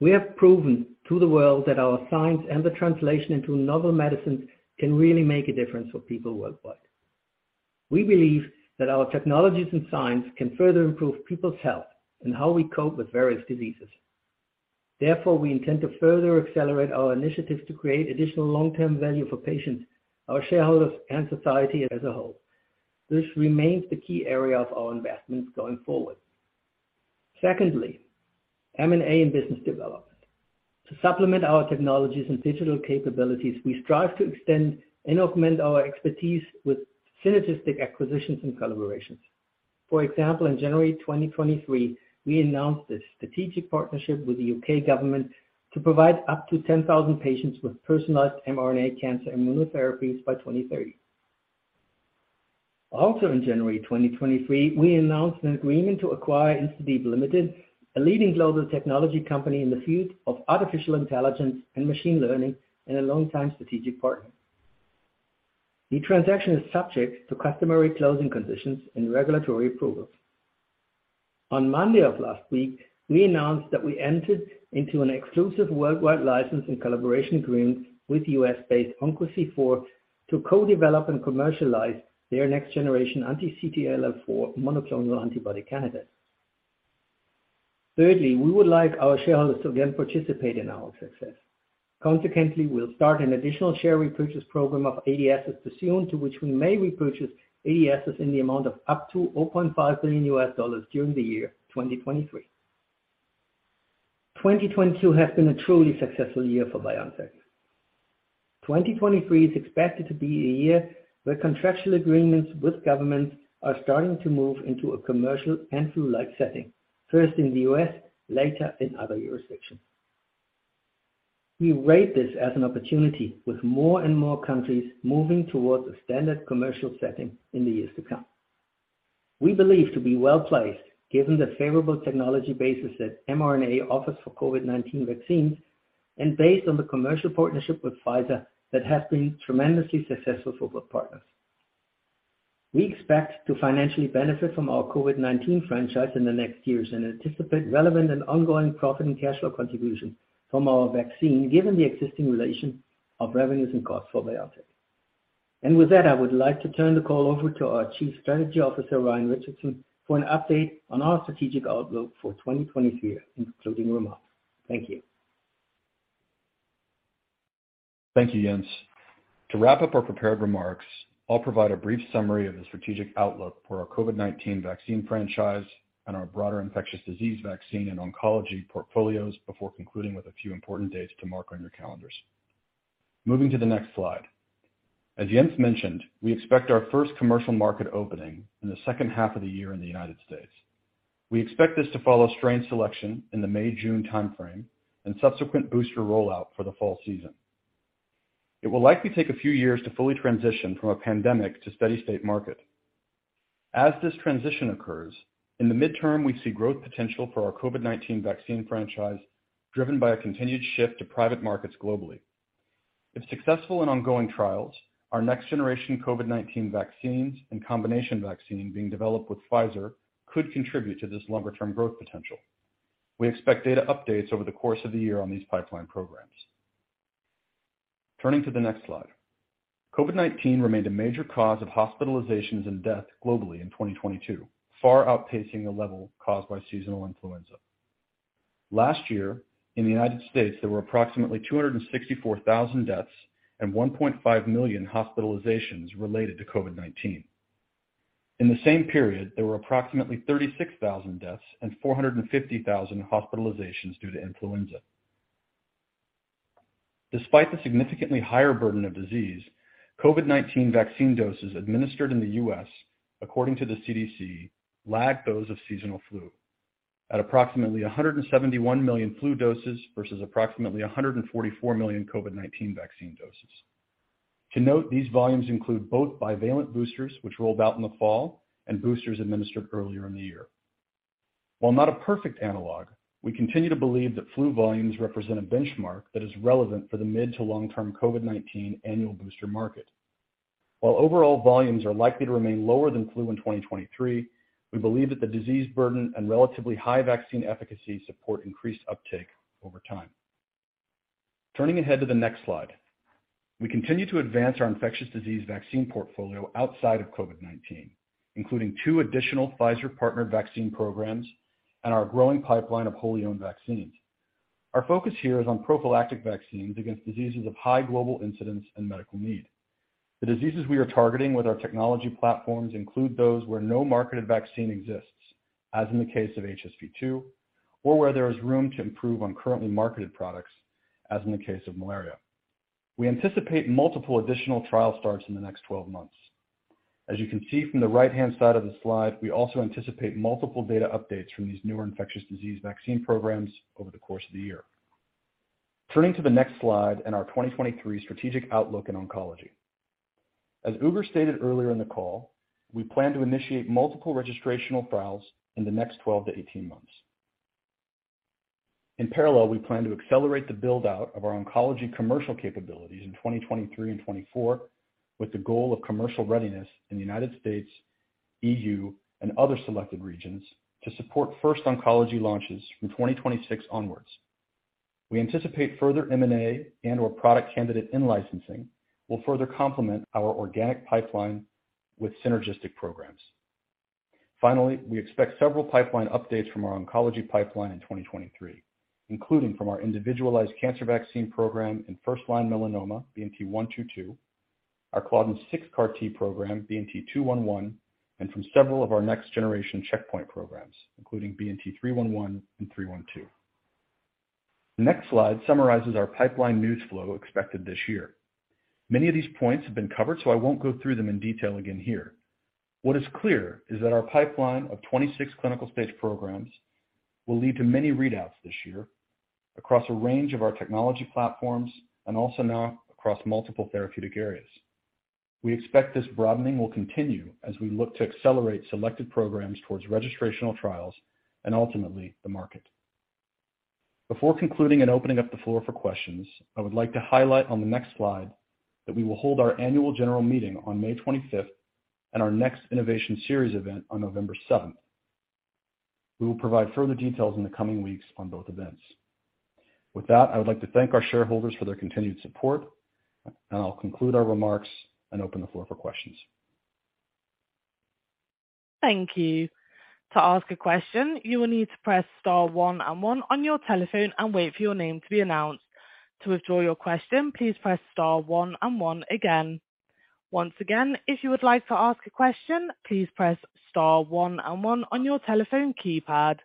We have proven to the world that our science and the translation into novel medicines can really make a difference for people worldwide. We believe that our technologies and science can further improve people's health and how we cope with various diseases. Therefore, we intend to further accelerate our initiatives to create additional long-term value for patients, our shareholders, and society as a whole. This remains the key area of our investments going forward. M&A and business development. To supplement our technologies and digital capabilities, we strive to extend and augment our expertise with synergistic acquisitions and collaborations. For example, in January 2023, we announced a strategic partnership with the U.K. government to provide up to 10,000 patients with personalized mRNA cancer immunotherapies by 2030. In January 2023, we announced an agreement to acquire InstaDeep Ltd., a leading global technology company in the field of artificial intelligence and machine learning, and a long-time strategic partner. The transaction is subject to customary closing conditions and regulatory approvals. On monday of last week, we announced that we entered into an exclusive worldwide license and collaboration agreement with U.S.-based OncoC4 to co-develop and commercialize their next-generation anti-CTLA-4 monoclonal antibody candidate. We would like our shareholders to again participate in our success. Consequently, we'll start an additional share repurchase program of ADSs pursuant to which we may repurchase ADSs in the amount of up to $0.5 billion during the year 2023. 2022 has been a truly successful year for BioNTech. 2023 is expected to be a year where contractual agreements with governments are starting to move into a commercial and flu-like setting, first in the U.S., later in other jurisdictions. We rate this as an opportunity with more and more countries moving towards a standard commercial setting in the years to come. We believe to be well-placed, given the favorable technology basis that mRNA offers for COVID-19 vaccines and based on the commercial partnership with Pfizer that has been tremendously successful for both partners. We expect to financially benefit from our COVID-19 franchise in the next years and anticipate relevant and ongoing profit and cash flow contribution from our vaccine, given the existing relation of revenues and costs for BioNTech. With that, I would like to turn the call over to our Chief Strategy Officer, Ryan Richardson, for an update on our strategic outlook for 2023, including remarks. Thank you. Thank you, Jens. To wrap up our prepared remarks, I'll provide a brief summary of the strategic outlook for our COVID-19 vaccine franchise and our broader infectious disease vaccine and oncology portfolios before concluding with a few important dates to mark on your calendars. Moving to the next slide. As Jens mentioned, we expect our first commercial market opening in the second half of the year in the United States. We expect this to follow strain selection in the May-June timeframe and subsequent booster rollout for the fall season. It will likely take a few years to fully transition from a pandemic to steady-state market. As this transition occurs, in the midterm, we see growth potential for our COVID-19 vaccine franchise, driven by a continued shift to private markets globally. If successful in ongoing trials, our next generation COVID-19 vaccines and combination vaccine being developed with Pfizer could contribute to this longer-term growth potential. We expect data updates over the course of the year on these pipeline programs. Turning to the next slide. COVID-19 remained a major cause of hospitalizations and death globally in 2022, far outpacing the level caused by seasonal influenza. Last year, in the U.S., there were approximately 264,000 deaths and 1.5 million hospitalizations related to COVID-19. In the same period, there were approximately 36,000 deaths and 450,000 hospitalizations due to influenza. Despite the significantly higher burden of disease, COVID-19 vaccine doses administered in the U.S., according to the CDC, lagged those of seasonal flu at approximately 171 million flu doses versus approximately 144 million COVID-19 vaccine doses. To note, these volumes include both bivalent boosters, which rolled out in the fall, and boosters administered earlier in the year. While not a perfect analog, we continue to believe that flu volumes represent a benchmark that is relevant for the mid to long-term COVID-19 annual booster market. While overall volumes are likely to remain lower than flu in 2023, we believe that the disease burden and relatively high vaccine efficacy support increased uptake over time. Turning ahead to the next slide. We continue to advance our infectious disease vaccine portfolio outside of COVID-19, including two additional Pfizer partnered vaccine programs and our growing pipeline of wholly owned vaccines. Our focus here is on prophylactic vaccines against diseases of high global incidence and medical need. The diseases we are targeting with our technology platforms include those where no marketed vaccine exists, as in the case of HSV-2, or where there is room to improve on currently marketed products, as in the case of malaria. We anticipate multiple additional trial starts in the next 12 months. As you can see from the right-hand side of the slide, we also anticipate multiple data updates from these newer infectious disease vaccine programs over the course of the year. Turning to the next slide and our 2023 strategic outlook in oncology. As Ugur stated earlier in the call, we plan to initiate multiple registrational trials in the next 12 to 18 months. In parallel, we plan to accelerate the build-out of our oncology commercial capabilities in 2023 and 2024, with the goal of commercial readiness in the United States, E.U., and other selected regions to support first oncology launches from 2026 onwards. We anticipate further M&A and/or product candidate in-licensing will further complement our organic pipeline with synergistic programs. We expect several pipeline updates from our oncology pipeline in 2023, including from our individualized cancer vaccine program in first-line melanoma, BNT122, our CLDN6 CAR-T program, BNT211, and from several of our next generation checkpoint programs, including BNT311 and BNT312. The next slide summarizes our pipeline news flow expected this year. Many of these points have been covered, I won't go through them in detail again here. What is clear is that our pipeline of 26 clinical-stage programs will lead to many readouts this year across a range of our technology platforms and also now across multiple therapeutic areas. We expect this broadening will continue as we look to accelerate selected programs towards registrational trials and ultimately the market. Before concluding and opening up the floor for questions, I would like to highlight on the next slide that we will hold our annual general meeting on May 25th and our next innovation series event on November 7th. We will provide further details in the coming weeks on both events. With that, I would like to thank our shareholders for their continued support, and I'll conclude our remarks and open the floor for questions. Thank you. To ask a question, you will need to press star one and one on your telephone and wait for your name to be announced. To withdraw your question, please press star one and one again. Once again, if you would like to ask a question, please press star one and one on your telephone keypad.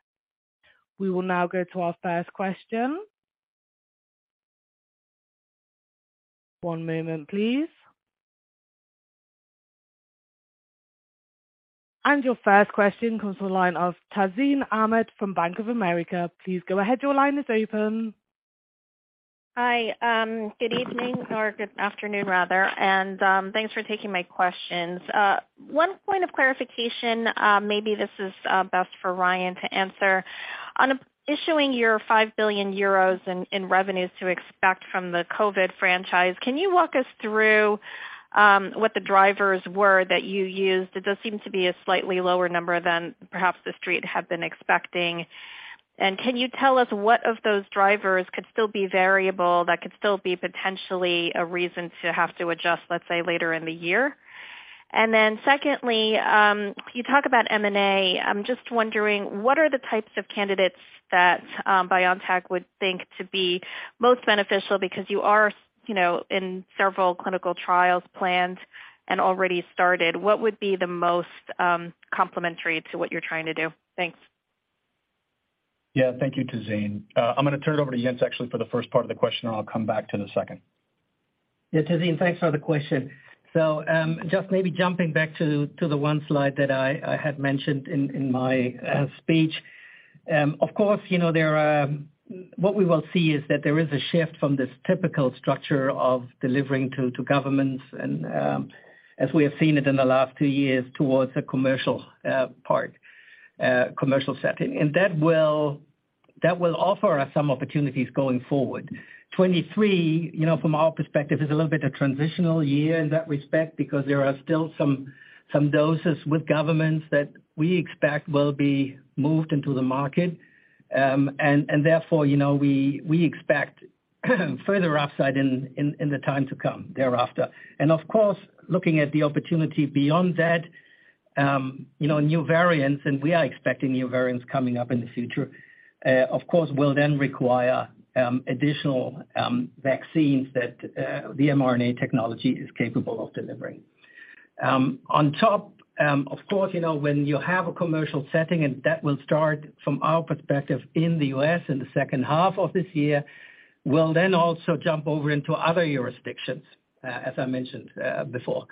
We will now go to our first question. One moment please. Your first question comes from the line of Tazeen Ahmad from Bank of America. Please go ahead. Your line is open. Hi. Good evening or good afternoon, rather. Thanks for taking my questions. One point of clarification, maybe this is best for Ryan to answer. On issuing your 5 billion euros in revenues to expect from the COVID franchise, can you walk us through what the drivers were that you used? It does seem to be a slightly lower number than perhaps the street had been expecting. Can you tell us what of those drivers could still be variable that could still be potentially a reason to have to adjust, let's say, later in the year? Secondly, you talk about M&A. I'm just wondering, what are the types of candidates that BioNTech would think to be most beneficial? Because you are, you know, in several clinical trials planned and already started. What would be the most complementary to what you're trying to do? Thanks. Yeah, thank you, Tazeen. I'm gonna turn it over to Jens, actually, for the first part of the question. I'll come back to the second. Yeah, Tazeen, thanks for the question. Just maybe jumping back to the one slide that I had mentioned in my speech. Of course, you know, there, what we will see is that there is a shift from this typical structure of delivering to governments and, as we have seen it in the last two years towards the commercial part, commercial setting. That will offer us some opportunities going forward. 23, you know, from our perspective is a little bit a transitional year in that respect because there are still some doses with governments that we expect will be moved into the market. Therefore, you know, we expect further upside in the time to come thereafter. Of course, looking at the opportunity beyond that, you know, new variants, and we are expecting new variants coming up in the future, of course will then require additional vaccines that the mRNA technology is capable of delivering. On top, of course, you know, when you have a commercial setting and that will start from our perspective in the U.S. in the second half of this year, will then also jump over into other jurisdictions, as I mentioned before.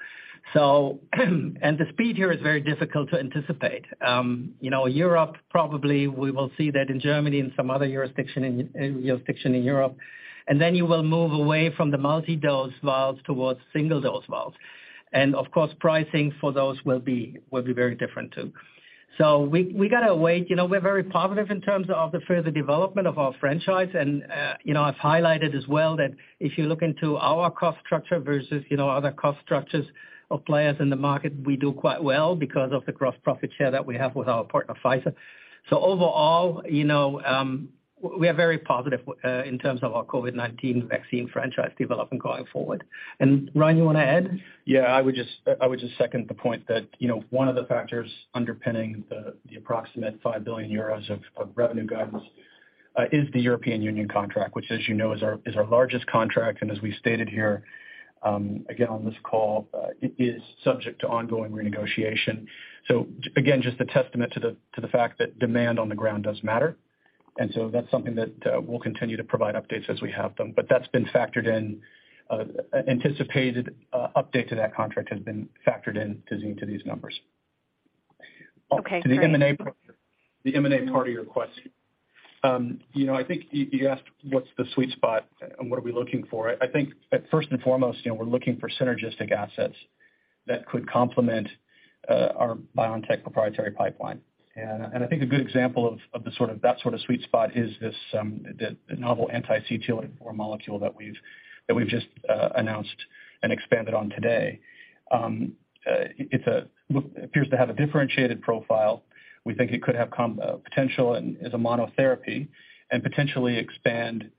The speed here is very difficult to anticipate. You know, Europe, probably we will see that in Germany and some other jurisdiction in Europe. You will move away from the multi-dose vials towards single-dose vials. Of course, pricing for those will be very different too. We gotta wait. You know, we're very positive in terms of the further development of our franchise. You know, I've highlighted as well that if you look into our cost structure versus, you know, other cost structures of players in the market, we do quite well because of the gross profit share that we have with our partner, Pfizer. Overall, you know, we are very positive in terms of our COVID-19 vaccine franchise development going forward. Ryan, you wanna add? I would just second the point that, you know, one of the factors underpinning the approximate 5 billion euros of revenue guidance is the European Union contract, which as you know is our largest contract. As we stated here, again on this call, it is subject to ongoing renegotiation. Again, just a testament to the fact that demand on the ground does matter. That's something that we'll continue to provide updates as we have them. That's been factored in. Anticipated update to that contract has been factored in, Tazeen, to these numbers. Okay, great. To the M&A part of your question. You know, I think you asked what's the sweet spot and what are we looking for. I think first and foremost, you know, we're looking for synergistic assets that could complement our BioNTech proprietary pipeline. I think a good example of that sort of sweet spot is this the novel anti-CTLA-4 molecule that we've just announced and expanded on today. Look, it appears to have a differentiated profile. We think it could have potential as a monotherapy and potentially expand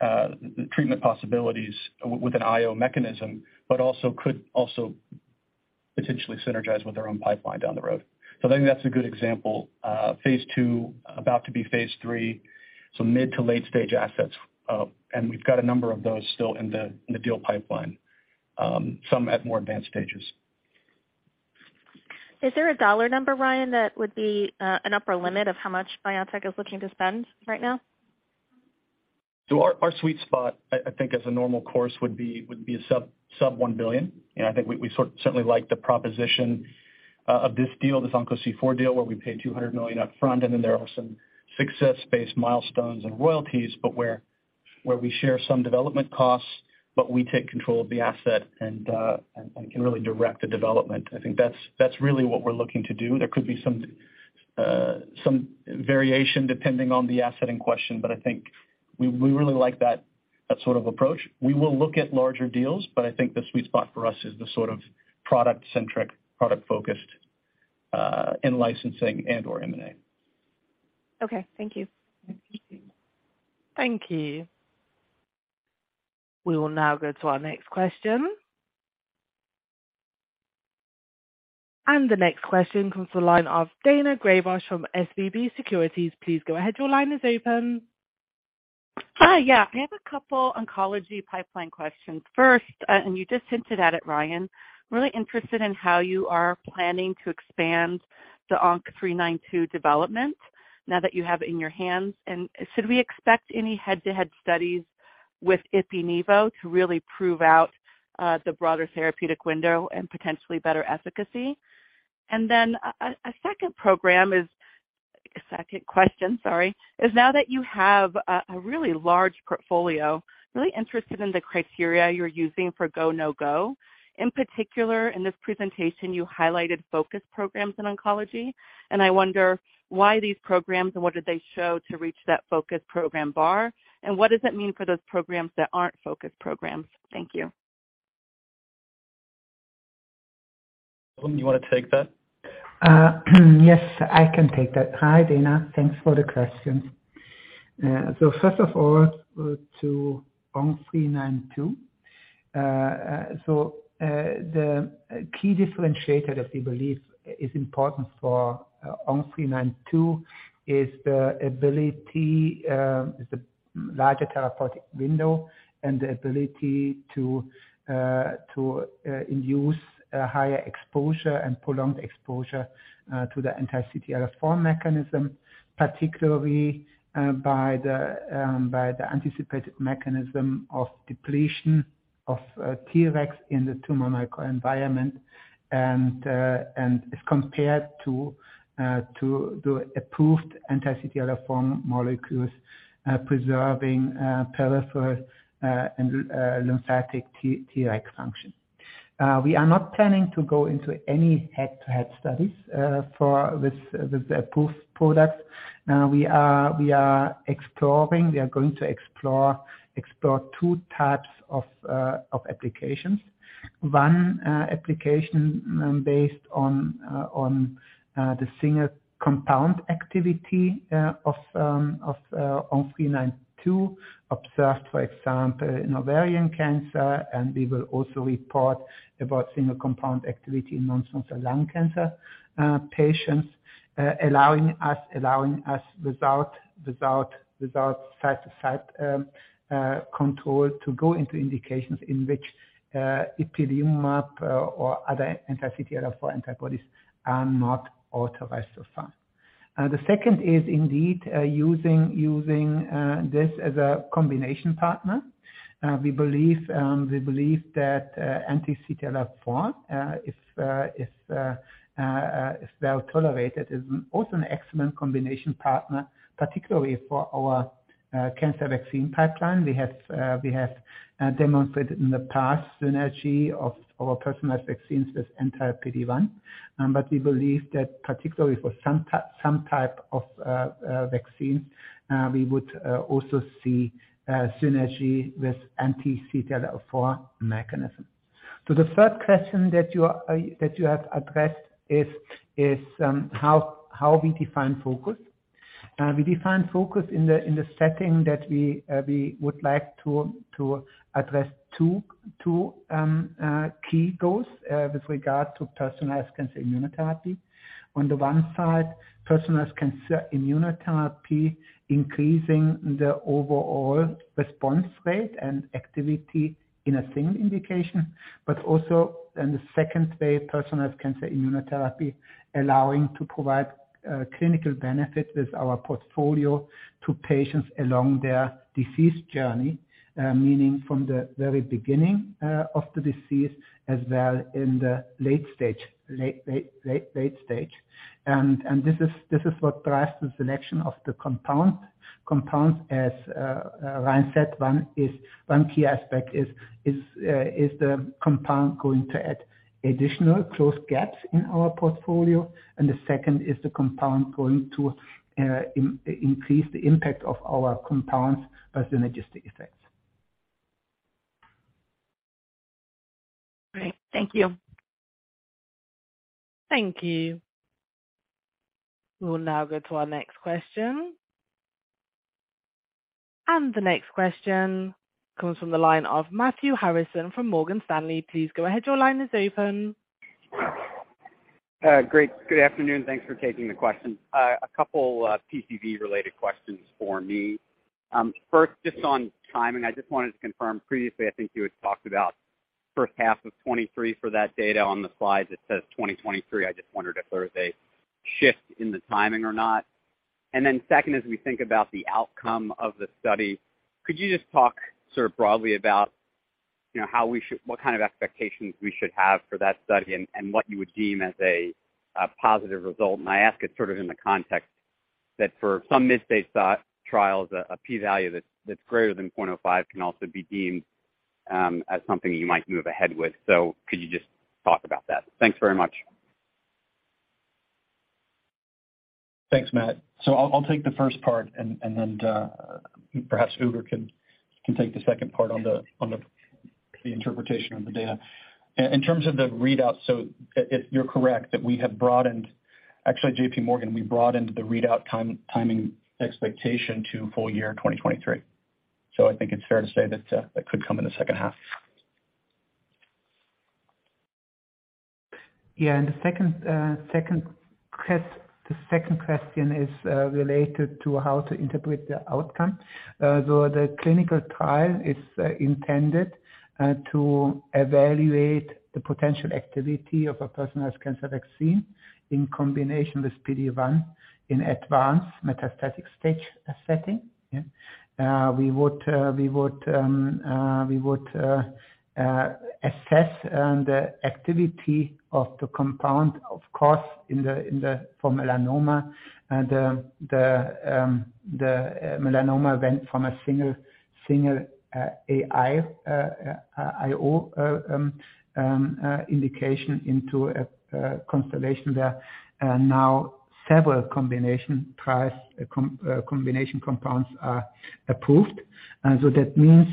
the treatment possibilities with an IO mechanism but also could also potentially synergize with our own pipeline down the road. I think that's a good example. Phase II, about to be phase III, so mid to late stage assets. We've got a number of those still in the deal pipeline, some at more advanced stages. Is there a dollar number, Ryan, that would be an upper limit of how much BioNTech is looking to spend right now? Our sweet spot, I think as a normal course would be a sub $1 billion. You know, I think we certainly like the proposition of this deal, this ONC-392 deal where we pay $200 million up front, and then there are some success-based milestones and royalties, but where we share some development costs, but we take control of the asset and can really direct the development. I think that's really what we're looking to do. There could be some variation depending on the asset in question, but I think we really like that sort of approach. We will look at larger deals, but I think the sweet spot for us is the sort of product centric, product focused, in licensing and/or M&A. Okay, thank you. Thank you. We will now go to our next question. The next question comes to the line of Daina Graybosch from SVB Securities. Please go ahead. Your line is open. Hi. Yeah, I have a couple oncology pipeline questions. First, you just hinted at it, Ryan. I'm really interested in how you are planning to expand the ONC-392 development now that you have it in your hands. Should we expect any head-to-head studies with Ipi/Nivo to really prove out the broader therapeutic window and potentially better efficacy? Second question, sorry, is now that you have a really large portfolio, really interested in the criteria you're using for go, no-go. In particular, in this presentation, you highlighted focus programs in oncology, and I wonder why these programs and what did they show to reach that focus program bar, and what does it mean for those programs that aren't focus programs? Thank you. Ugur, you wanna take that? Yes, I can take that. Hi, Daina. Thanks for the question. First of all, to ONC-392. The key differentiator that we believe is important for ONC-392 is the ability, is the larger therapeutic window and the ability to induce a higher exposure and prolonged exposure to the anti-CTLA-4 mechanism, particularly by the anticipated mechanism of depletion of Tregs in the tumor microenvironment, and as compared to approved anti-CTLA-4 molecules, preserving peripheral and lymphatic T-Tregs function. We are not planning to go into any head-to-head studies with the approved product. We are exploring, we are going to explore two types of applications. One application based on the single compound activity of ONC-392, observed, for example, in ovarian cancer, and we will also report about single compound activity in non-small cell lung cancer patients allowing us without side-to-side control to go into indications in which ipilimumab or other anti-CTLA-4 antibodies are not authorized so far. The second is indeed using this as a combination partner. We believe that anti-CTLA-4 is well tolerated, is also an excellent combination partner, particularly for our cancer vaccine pipeline. We have demonstrated in the past synergy of our personalized vaccines with anti-PD-1, but we believe that particularly for some type of vaccine, we would also see synergy with anti-CTLA-4 mechanism. To the third question that you are, that you have addressed is, how we define focus. We define focus in the setting that we would like to address two key goals with regard to personalized cancer immunotherapy. On the one side, personalized cancer immunotherapy, increasing the overall response rate and activity in a single indication, but also in the second phase, personalized cancer immunotherapy, allowing to provide clinical benefit with our portfolio to patients along their disease journey, meaning from the very beginning of the disease as well in the late stage. This is what drives the selection of the compounds as Ryan said, one key aspect is the compound going to add additional closed gaps in our portfolio, and the second is the compound going to increase the impact of our compounds as synergistic effects. Great. Thank you. Thank you. We'll now go to our next question. The next question comes from the line of Matthew Harrison from Morgan Stanley. Please go ahead. Your line is open. Great. Good afternoon. Thanks for taking the question. A couple, PCV related questions for me. First, just on timing, I just wanted to confirm previously, I think you had talked about first half of 2023 for that data. On the slides it says 2023. I just wondered if there was a shift in the timing or not. Then second, as we think about the outcome of the study, could you just talk sort of broadly about, you know, what kind of expectations we should have for that study and what you would deem as a positive result? I ask it sort of in the context that for some mid-state thought trials a P value that's greater than 0.05 can also be deemed as something you might move ahead with. Could you just talk about that? Thanks very much. Thanks, Matt. I'll take the first part and then perhaps Ugur can take the second part on the PCV. The interpretation of the data. In terms of the readout, if you're correct that, actually, J.P. Morgan, we broadened the readout time, timing expectation to full year 2023. I think it's fair to say that that could come in the second half. The second question is related to how to interpret the outcome. Though the clinical trial is intended to evaluate the potential activity of a personalized cancer vaccine in combination with PD-1 in advanced metastatic stage setting. We would assess the activity of the compound, of course, in the for melanoma. The melanoma went from a single AI IO indication into a constellation where now several combination trials, combination compounds are approved. That means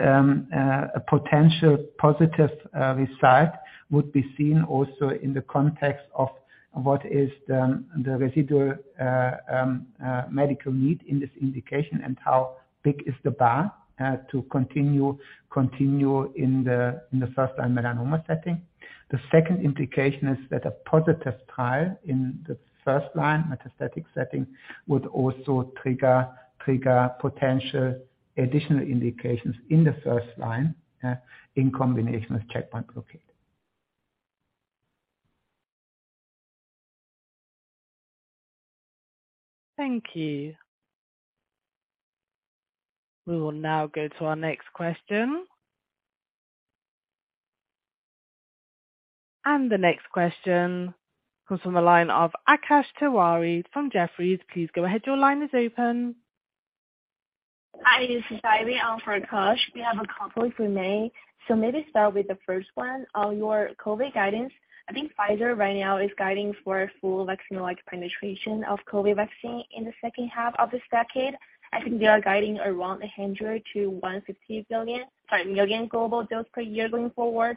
a potential positive result would be seen also in the context of what is the residual medical need in this indication, and how big is the bar to continue in the first-line melanoma setting. The second indication is that a positive trial in the first-line metastatic setting would also trigger potential additional indications in the first line in combination with checkpoint blockade. Thank you. We will now go to our next question. The next question comes from the line of Akash Tewari from Jefferies. Please go ahead. Your line is open. Hi, this is Daisy on for Akash. We have a couple, if we may. Maybe start with the first one. On your COVID guidance, I think Pfizer right now is guiding for a full vaccine-like penetration of COVID vaccine in the second half of this decade. I think they are guiding around 100 million to 150 million global doses per year going forward.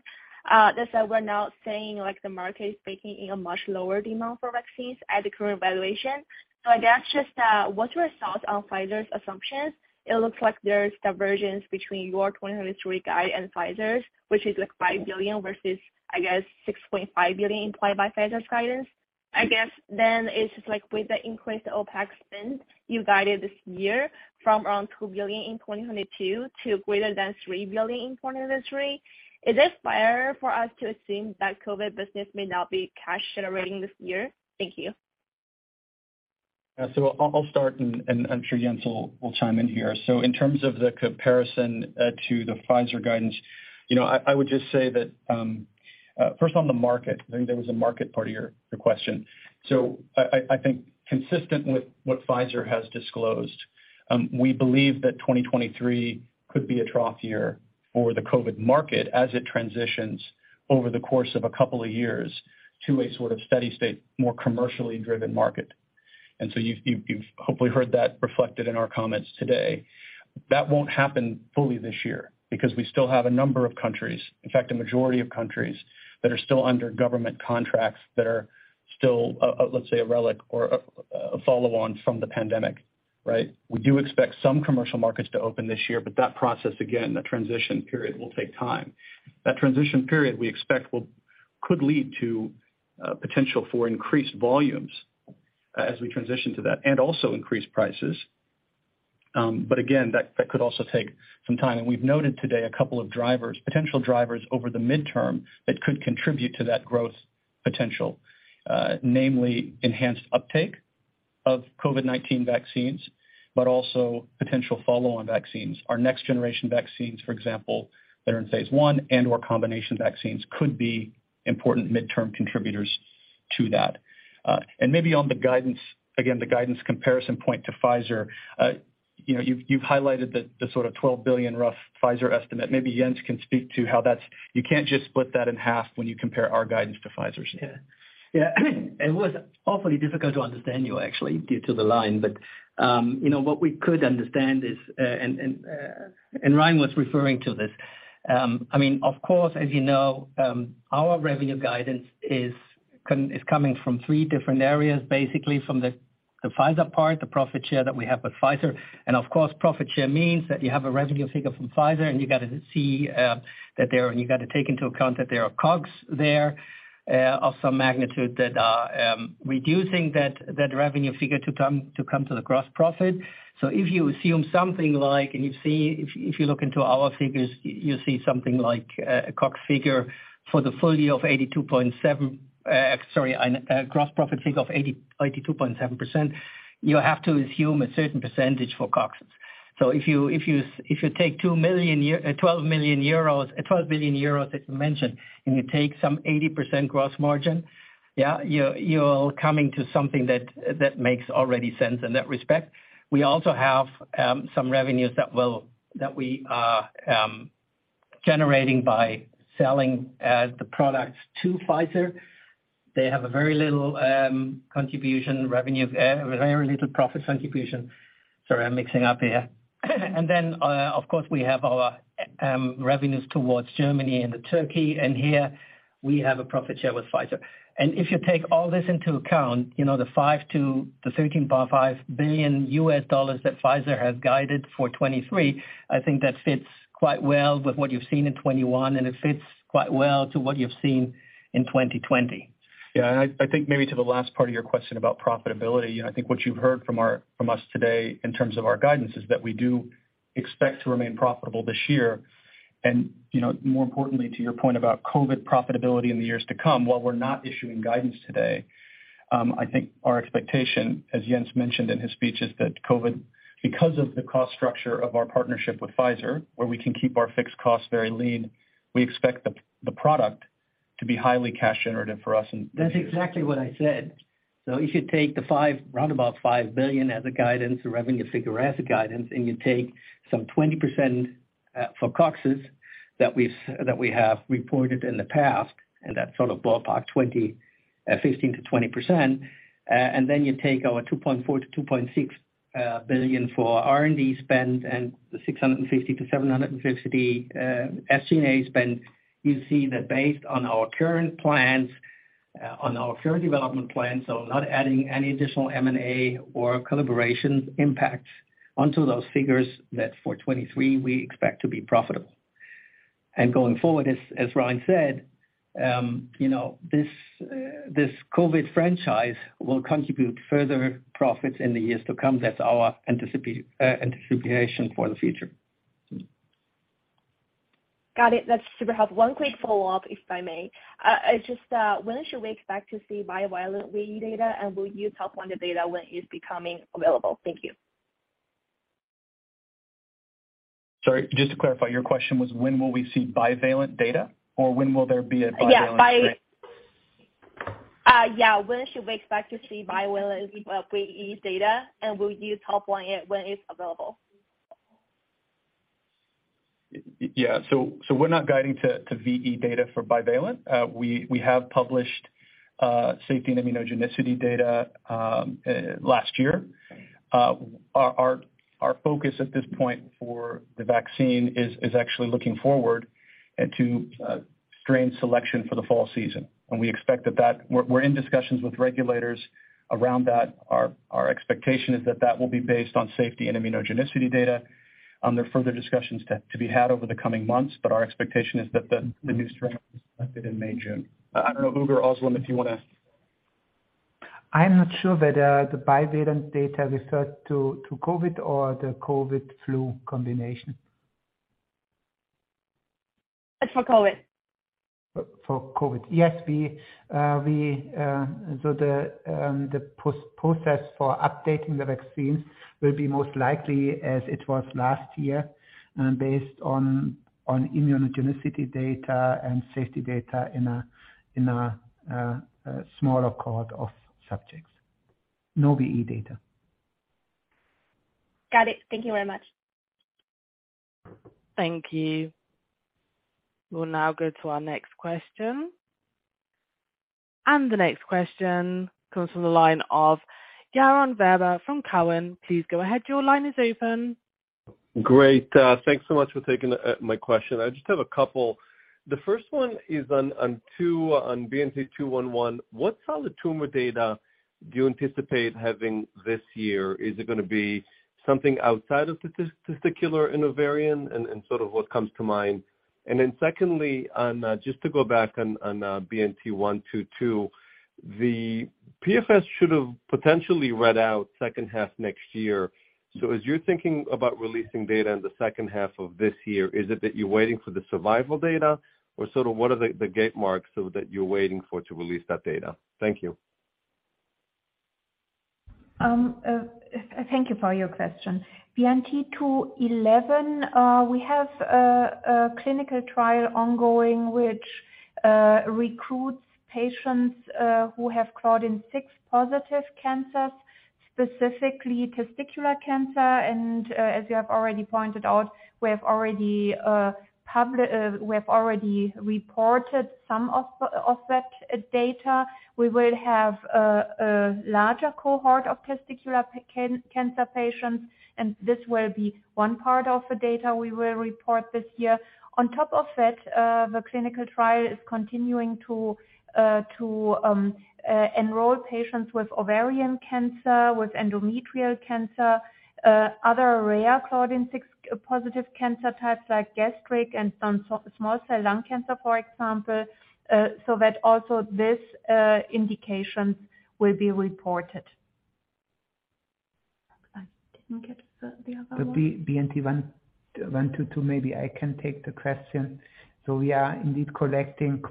Just that we're now seeing like the market is baking in a much lower demand for vaccines at the current valuation. I guess just, what's your thoughts on Pfizer's assumptions? It looks like there's divergence between your 2023 guide and Pfizer's, which is like 5 billion versus, I guess, 6.5 billion implied by Pfizer's guidance. I guess it's just like with the increased OpEx spend, you guided this year from around 2 billion in 2022 to greater than 3 billion in 2023. Is it fair for us to assume that COVID business may not be cash generating this year? Thank you. Yeah. I'll start, and I'm sure Jens will chime in here. In terms of the comparison to the Pfizer guidance, you know, I would just say that first on the market, I think there was a market part of your question. I think consistent with what Pfizer has disclosed, we believe that 2023 could be a trough year for the COVID market as it transitions over the course of a couple of years to a sort of steady-state, more commercially driven market. You've hopefully heard that reflected in our comments today. That won't happen fully this year because we still have a number of countries, in fact, a majority of countries that are still under government contracts that are still, let's say, a relic or a follow-on from the pandemic, right? We do expect some commercial markets to open this year, that process, again, the transition period will take time. That transition period we expect could lead to potential for increased volumes as we transition to that and also increased prices. Again, that could also take some time. We've noted today a couple of drivers, potential drivers over the midterm that could contribute to that growth potential, namely enhanced uptake of COVID-19 vaccines, but also potential follow-on vaccines. Our next generation vaccines, for example, that are in phase I and/or combination vaccines could be important midterm contributors to that. Maybe on the guidance, again, the guidance comparison point to Pfizer, you know, you've highlighted the sort of $12 billion rough Pfizer estimate. Maybe Jens can speak to how that's. You can't just split that in half when you compare our guidance to Pfizer's. Yeah, yeah. It was awfully difficult to understand you actually due to the line. You know, what we could understand is, and Ryan was referring to this. I mean, of course, as you know, our revenue guidance is coming from three different areas, basically from the Pfizer part, the profit share that we have with Pfizer. Of course, profit share means that you have a revenue figure from Pfizer, and you gotta see that there, and you gotta take into account that there are COGS there of some magnitude that are reducing that revenue figure to come to the gross profit. If you look into our figures, you see something like a COGS figure for the full year of 82.7, sorry, a gross profit figure of 82.7%, you have to assume a certain percentage for COGS. If you take 12 billion euros that you mentioned, and you take some 80% gross margin, you are coming to something that makes already sense in that respect. We also have some revenues that we are generating by selling the products to Pfizer. They have a very little contribution revenue, very little profit contribution. Sorry, I am mixing up here. Of course, we have our revenues towards Germany and Turkey, and here we have a profit share with Pfizer. If you take all this into account, you know, the $5 billion-$13.5 billion that Pfizer has guided for 2023, I think that fits quite well with what you've seen in 2021, and it fits quite well to what you've seen in 2020. Yeah. I think maybe to the last part of your question about profitability, I think what you've heard from us today in terms of our guidance is that we do expect to remain profitable this year. You know, more importantly, to your point about COVID profitability in the years to come, while we're not issuing guidance today, I think our expectation, as Jens mentioned in his speech, is that COVID, because of the cost structure of our partnership with Pfizer, where we can keep our fixed costs very lean, we expect the product to be highly cash generative for us in the future. That's exactly what I said. You should take the roundabout 5 billion as a guidance or revenue figure as a guidance, you take some 20% for COGS that we have reported in the past, that's sort of ballpark 20%, 15%-20%. You take our 2.4 billion-2.6 billion for R&D spend and the 650 million-750 million SG&A spend. You see that based on our current plans, on our current development plan, so not adding any additional M&A or collaboration impact onto those figures, that for 2023 we expect to be profitable. Going forward, as Ryan said, you know, this COVID franchise will contribute further profits in the years to come. That's our anticipation for the future. Got it. That's super helpful. One quick follow-up, if I may. When should we expect to see bivalent VE data? Will you tell when the data is becoming available? Thank you. Sorry, just to clarify, your question was when will we see bivalent data? When will there be a bivalent data? Yeah, when should we expect to see bivalent VE data? Will you tell when it's available? Yeah, so we're not guiding to VE data for bivalent. We have published safety and immunogenicity data last year. Our focus at this point for the vaccine is actually looking forward and to strain selection for the fall season. We expect that. We're in discussions with regulators around that. Our expectation is that that will be based on safety and immunogenicity data. There are further discussions to be had over the coming months, but our expectation is that the new strain will be selected in May, June. I don't know, Ugur or Özlem, if you wanna. I'm not sure whether the bivalent data referred to COVID or the COVID flu combination. It's for COVID. For COVID. Yes, we, so the process for updating the vaccines will be most likely as it was last year, based on immunogenicity data and safety data in a smaller cohort of subjects. No VE data. Got it. Thank you very much. Thank you. We'll now go to our next question. The next question comes from the line of Yaron Werber from Cowen. Please go ahead. Your line is open. Great. Thanks so much for taking my question. I just have a couple. The first one is on BNT-211. What solid tumor data do you anticipate having this year? Is it going to be something outside of the testicular and ovarian and sort of what comes to mind? Secondly, just to go back on BNT-122, the PFS should have potentially read out second half next year. As you're thinking about releasing data in the second half of this year, is it that you're waiting for the survival data or sort of what are the gate marks that you're waiting for to release that data? Thank you. Thank you for your question. BNT211, we have a clinical trial ongoing which recruits patients who have CLDN6 positive cancers, specifically testicular cancer. As you have already pointed out, we have already reported some of that data. We will have a larger cohort of testicular cancer patients, and this will be one part of the data we will report this year. On top of that, the clinical trial is continuing to enroll patients with ovarian cancer, with endometrial cancer, other rare CLDN6 positive cancer types like gastric and some small cell lung cancer, for example. That also these indications will be reported. I didn't get the other one. The BNT122, maybe I can take the question. We are indeed collecting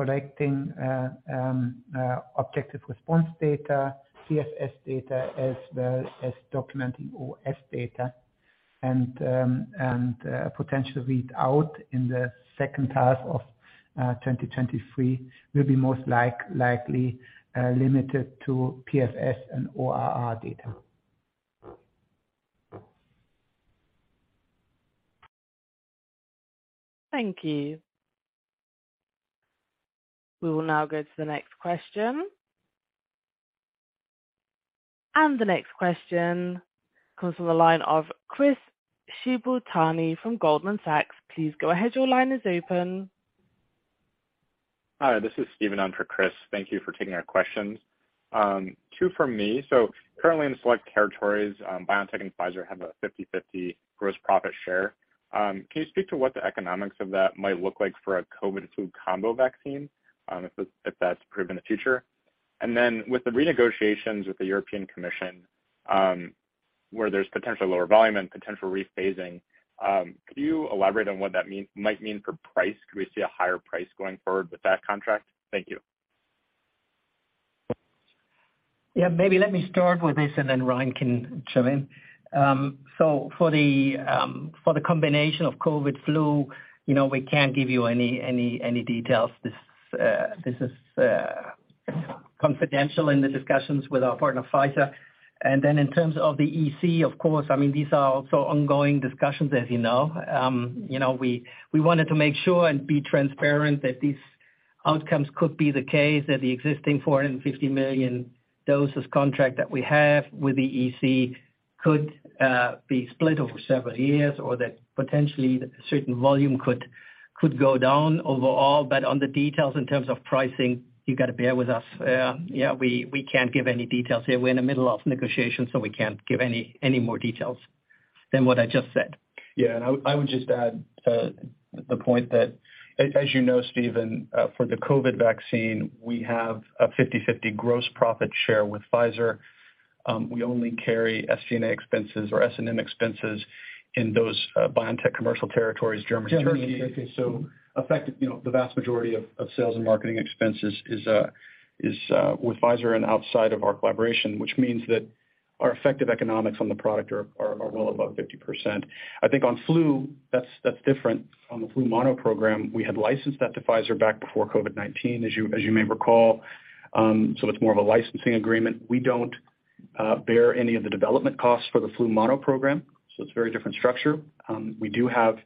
objective response data, PFS data as well as documenting OS data. Potential read out in the second half of 2023 will be most likely limited to PFS and ORR data. Thank you. We will now go to the next question. The next question comes from the line of Chris Shibutani from Goldman Sachs. Please go ahead. Your line is open. Hi, this is Steven in for Chris. Thank you for taking our questions. Two for me. Currently in select territories, BioNTech and Pfizer have a 50/50 gross profit share. Can you speak to what the economics of that might look like for a COVID flu combo vaccine, if that's proved in the future? With the renegotiations with the European Commission, where there's potential lower volume and potential rephasing, could you elaborate on what that might mean for price? Could we see a higher price going forward with that contract? Thank you. Yeah, maybe let me start with this, Ryan can chime in. For the combination of COVID flu, you know, we can't give you any details. This, this is confidential in the discussions with our partner, Pfizer. In terms of the EC, of course, I mean, these are also ongoing discussions, as you know. You know, we wanted to make sure and be transparent that these outcomes could be the case, that the existing 450 million doses contract that we have with the EC could be split over several years or that potentially certain volume could go down overall. On the details in terms of pricing, you gotta bear with us. Yeah, we can't give any details here. We're in the middle of negotiations. We can't give any more details than what I just said. Yeah. I would just add, the point that as you know, Steven, for the COVID vaccine, we have a 50/50 gross profit share with Pfizer. We only carry SG&A expenses or S&M expenses in those BioNTech commercial territories, Germany and Turkey. Effective, you know, the vast majority of sales and marketing expenses is with Pfizer and outside of our collaboration, which means that our effective economics on the product are well above 50%. I think on flu, that's different. On the flu mono program, we had licensed that to Pfizer back before COVID-19, as you may recall. It's more of a licensing agreement. We don't bear any of the development costs for the flu mono program, it's a very different structure. We do have;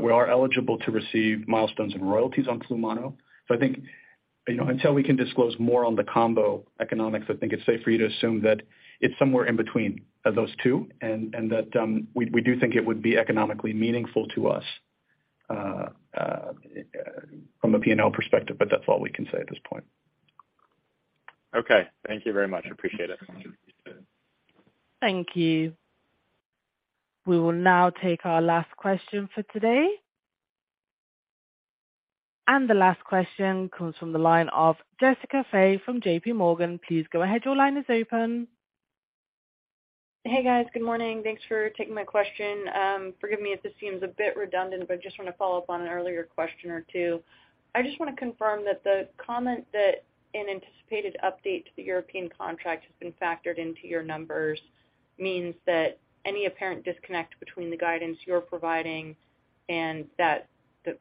we are eligible to receive milestones and royalties on flu mono. I think, you know, until we can disclose more on the combo economics, I think it's safe for you to assume that it's somewhere in between, those two, and that, we do think it would be economically meaningful to us, from a P&L perspective, but that's all we can say at this point. Okay. Thank you very much. Appreciate it. Thank you. We will now take our last question for today. The last question comes from the line of Jessica Fye from J.P. Morgan. Please go ahead. Your line is open. Hey, guys. Good morning. Thanks for taking my question. Forgive me if this seems a bit redundant, but I just want to follow up on an earlier question or two. I just want to confirm that the comment that an anticipated update to the European contract has been factored into your numbers means that any apparent disconnect between the guidance you're providing and that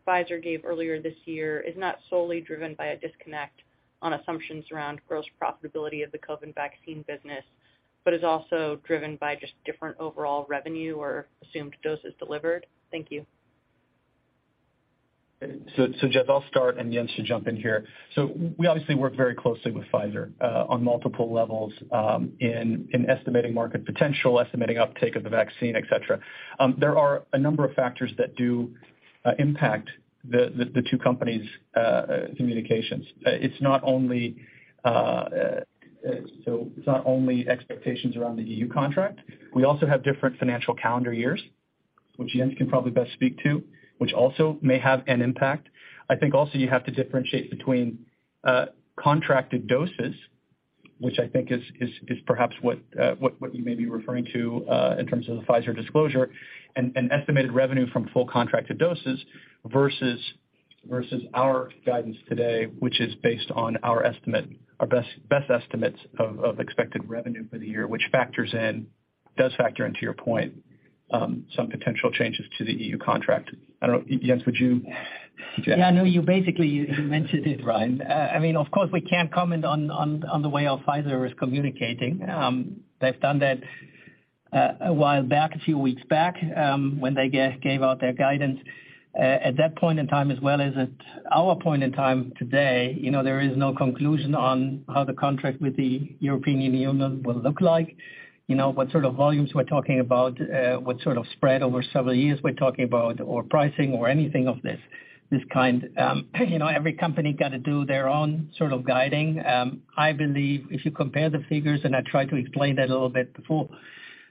Pfizer gave earlier this year is not solely driven by a disconnect on assumptions around gross profitability of the COVID vaccine business, but is also driven by just different overall revenue or assumed doses delivered. Thank you. Jess, I'll start and Jens to jump in here. We obviously work very closely with Pfizer on multiple levels, in estimating market potential, estimating uptake of the vaccine, et cetera. There are a number of factors that do impact the two companies' communications. It's not only expectations around the E.U. contract. We also have different financial calendar years, which Jens can probably best speak to, which also may have an impact. I think also you have to differentiate between contracted doses, which I think is perhaps what you may be referring to, in terms of the Pfizer disclosure, and estimated revenue from full contracted doses versus our guidance today, which is based on our estimate, our best estimates of expected revenue for the year, which factors in, does factor into your point, some potential changes to the E.U. contract. I don't know. Jens, would you. Yeah, no, you basically, you mentioned it, Ryan. I mean, of course, we can't comment on the way our Pfizer is communicating. They've done that a while back, a few weeks back, when they gave out their guidance. At that point in time, as well as at our point in time today, you know, there is no conclusion on how the contract with the European Union will look like. You know, what sort of volumes we're talking about, what sort of spread over several years we're talking about or pricing or anything of this kind. You know, every company gotta do their own sort of guiding. I believe if you compare the figures, and I tried to explain that a little bit before,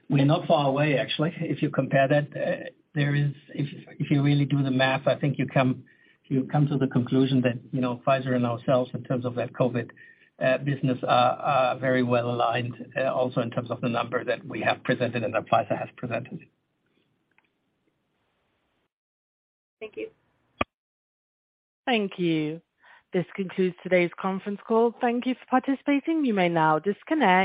we're not far away, actually, if you compare that. There is, if you really do the math, I think you come to the conclusion that, you know, Pfizer and ourselves in terms of that COVID business are very well aligned, also in terms of the number that we have presented and that Pfizer has presented. Thank you. Thank you. This concludes today's conference call. Thank you for participating. You may now disconnect.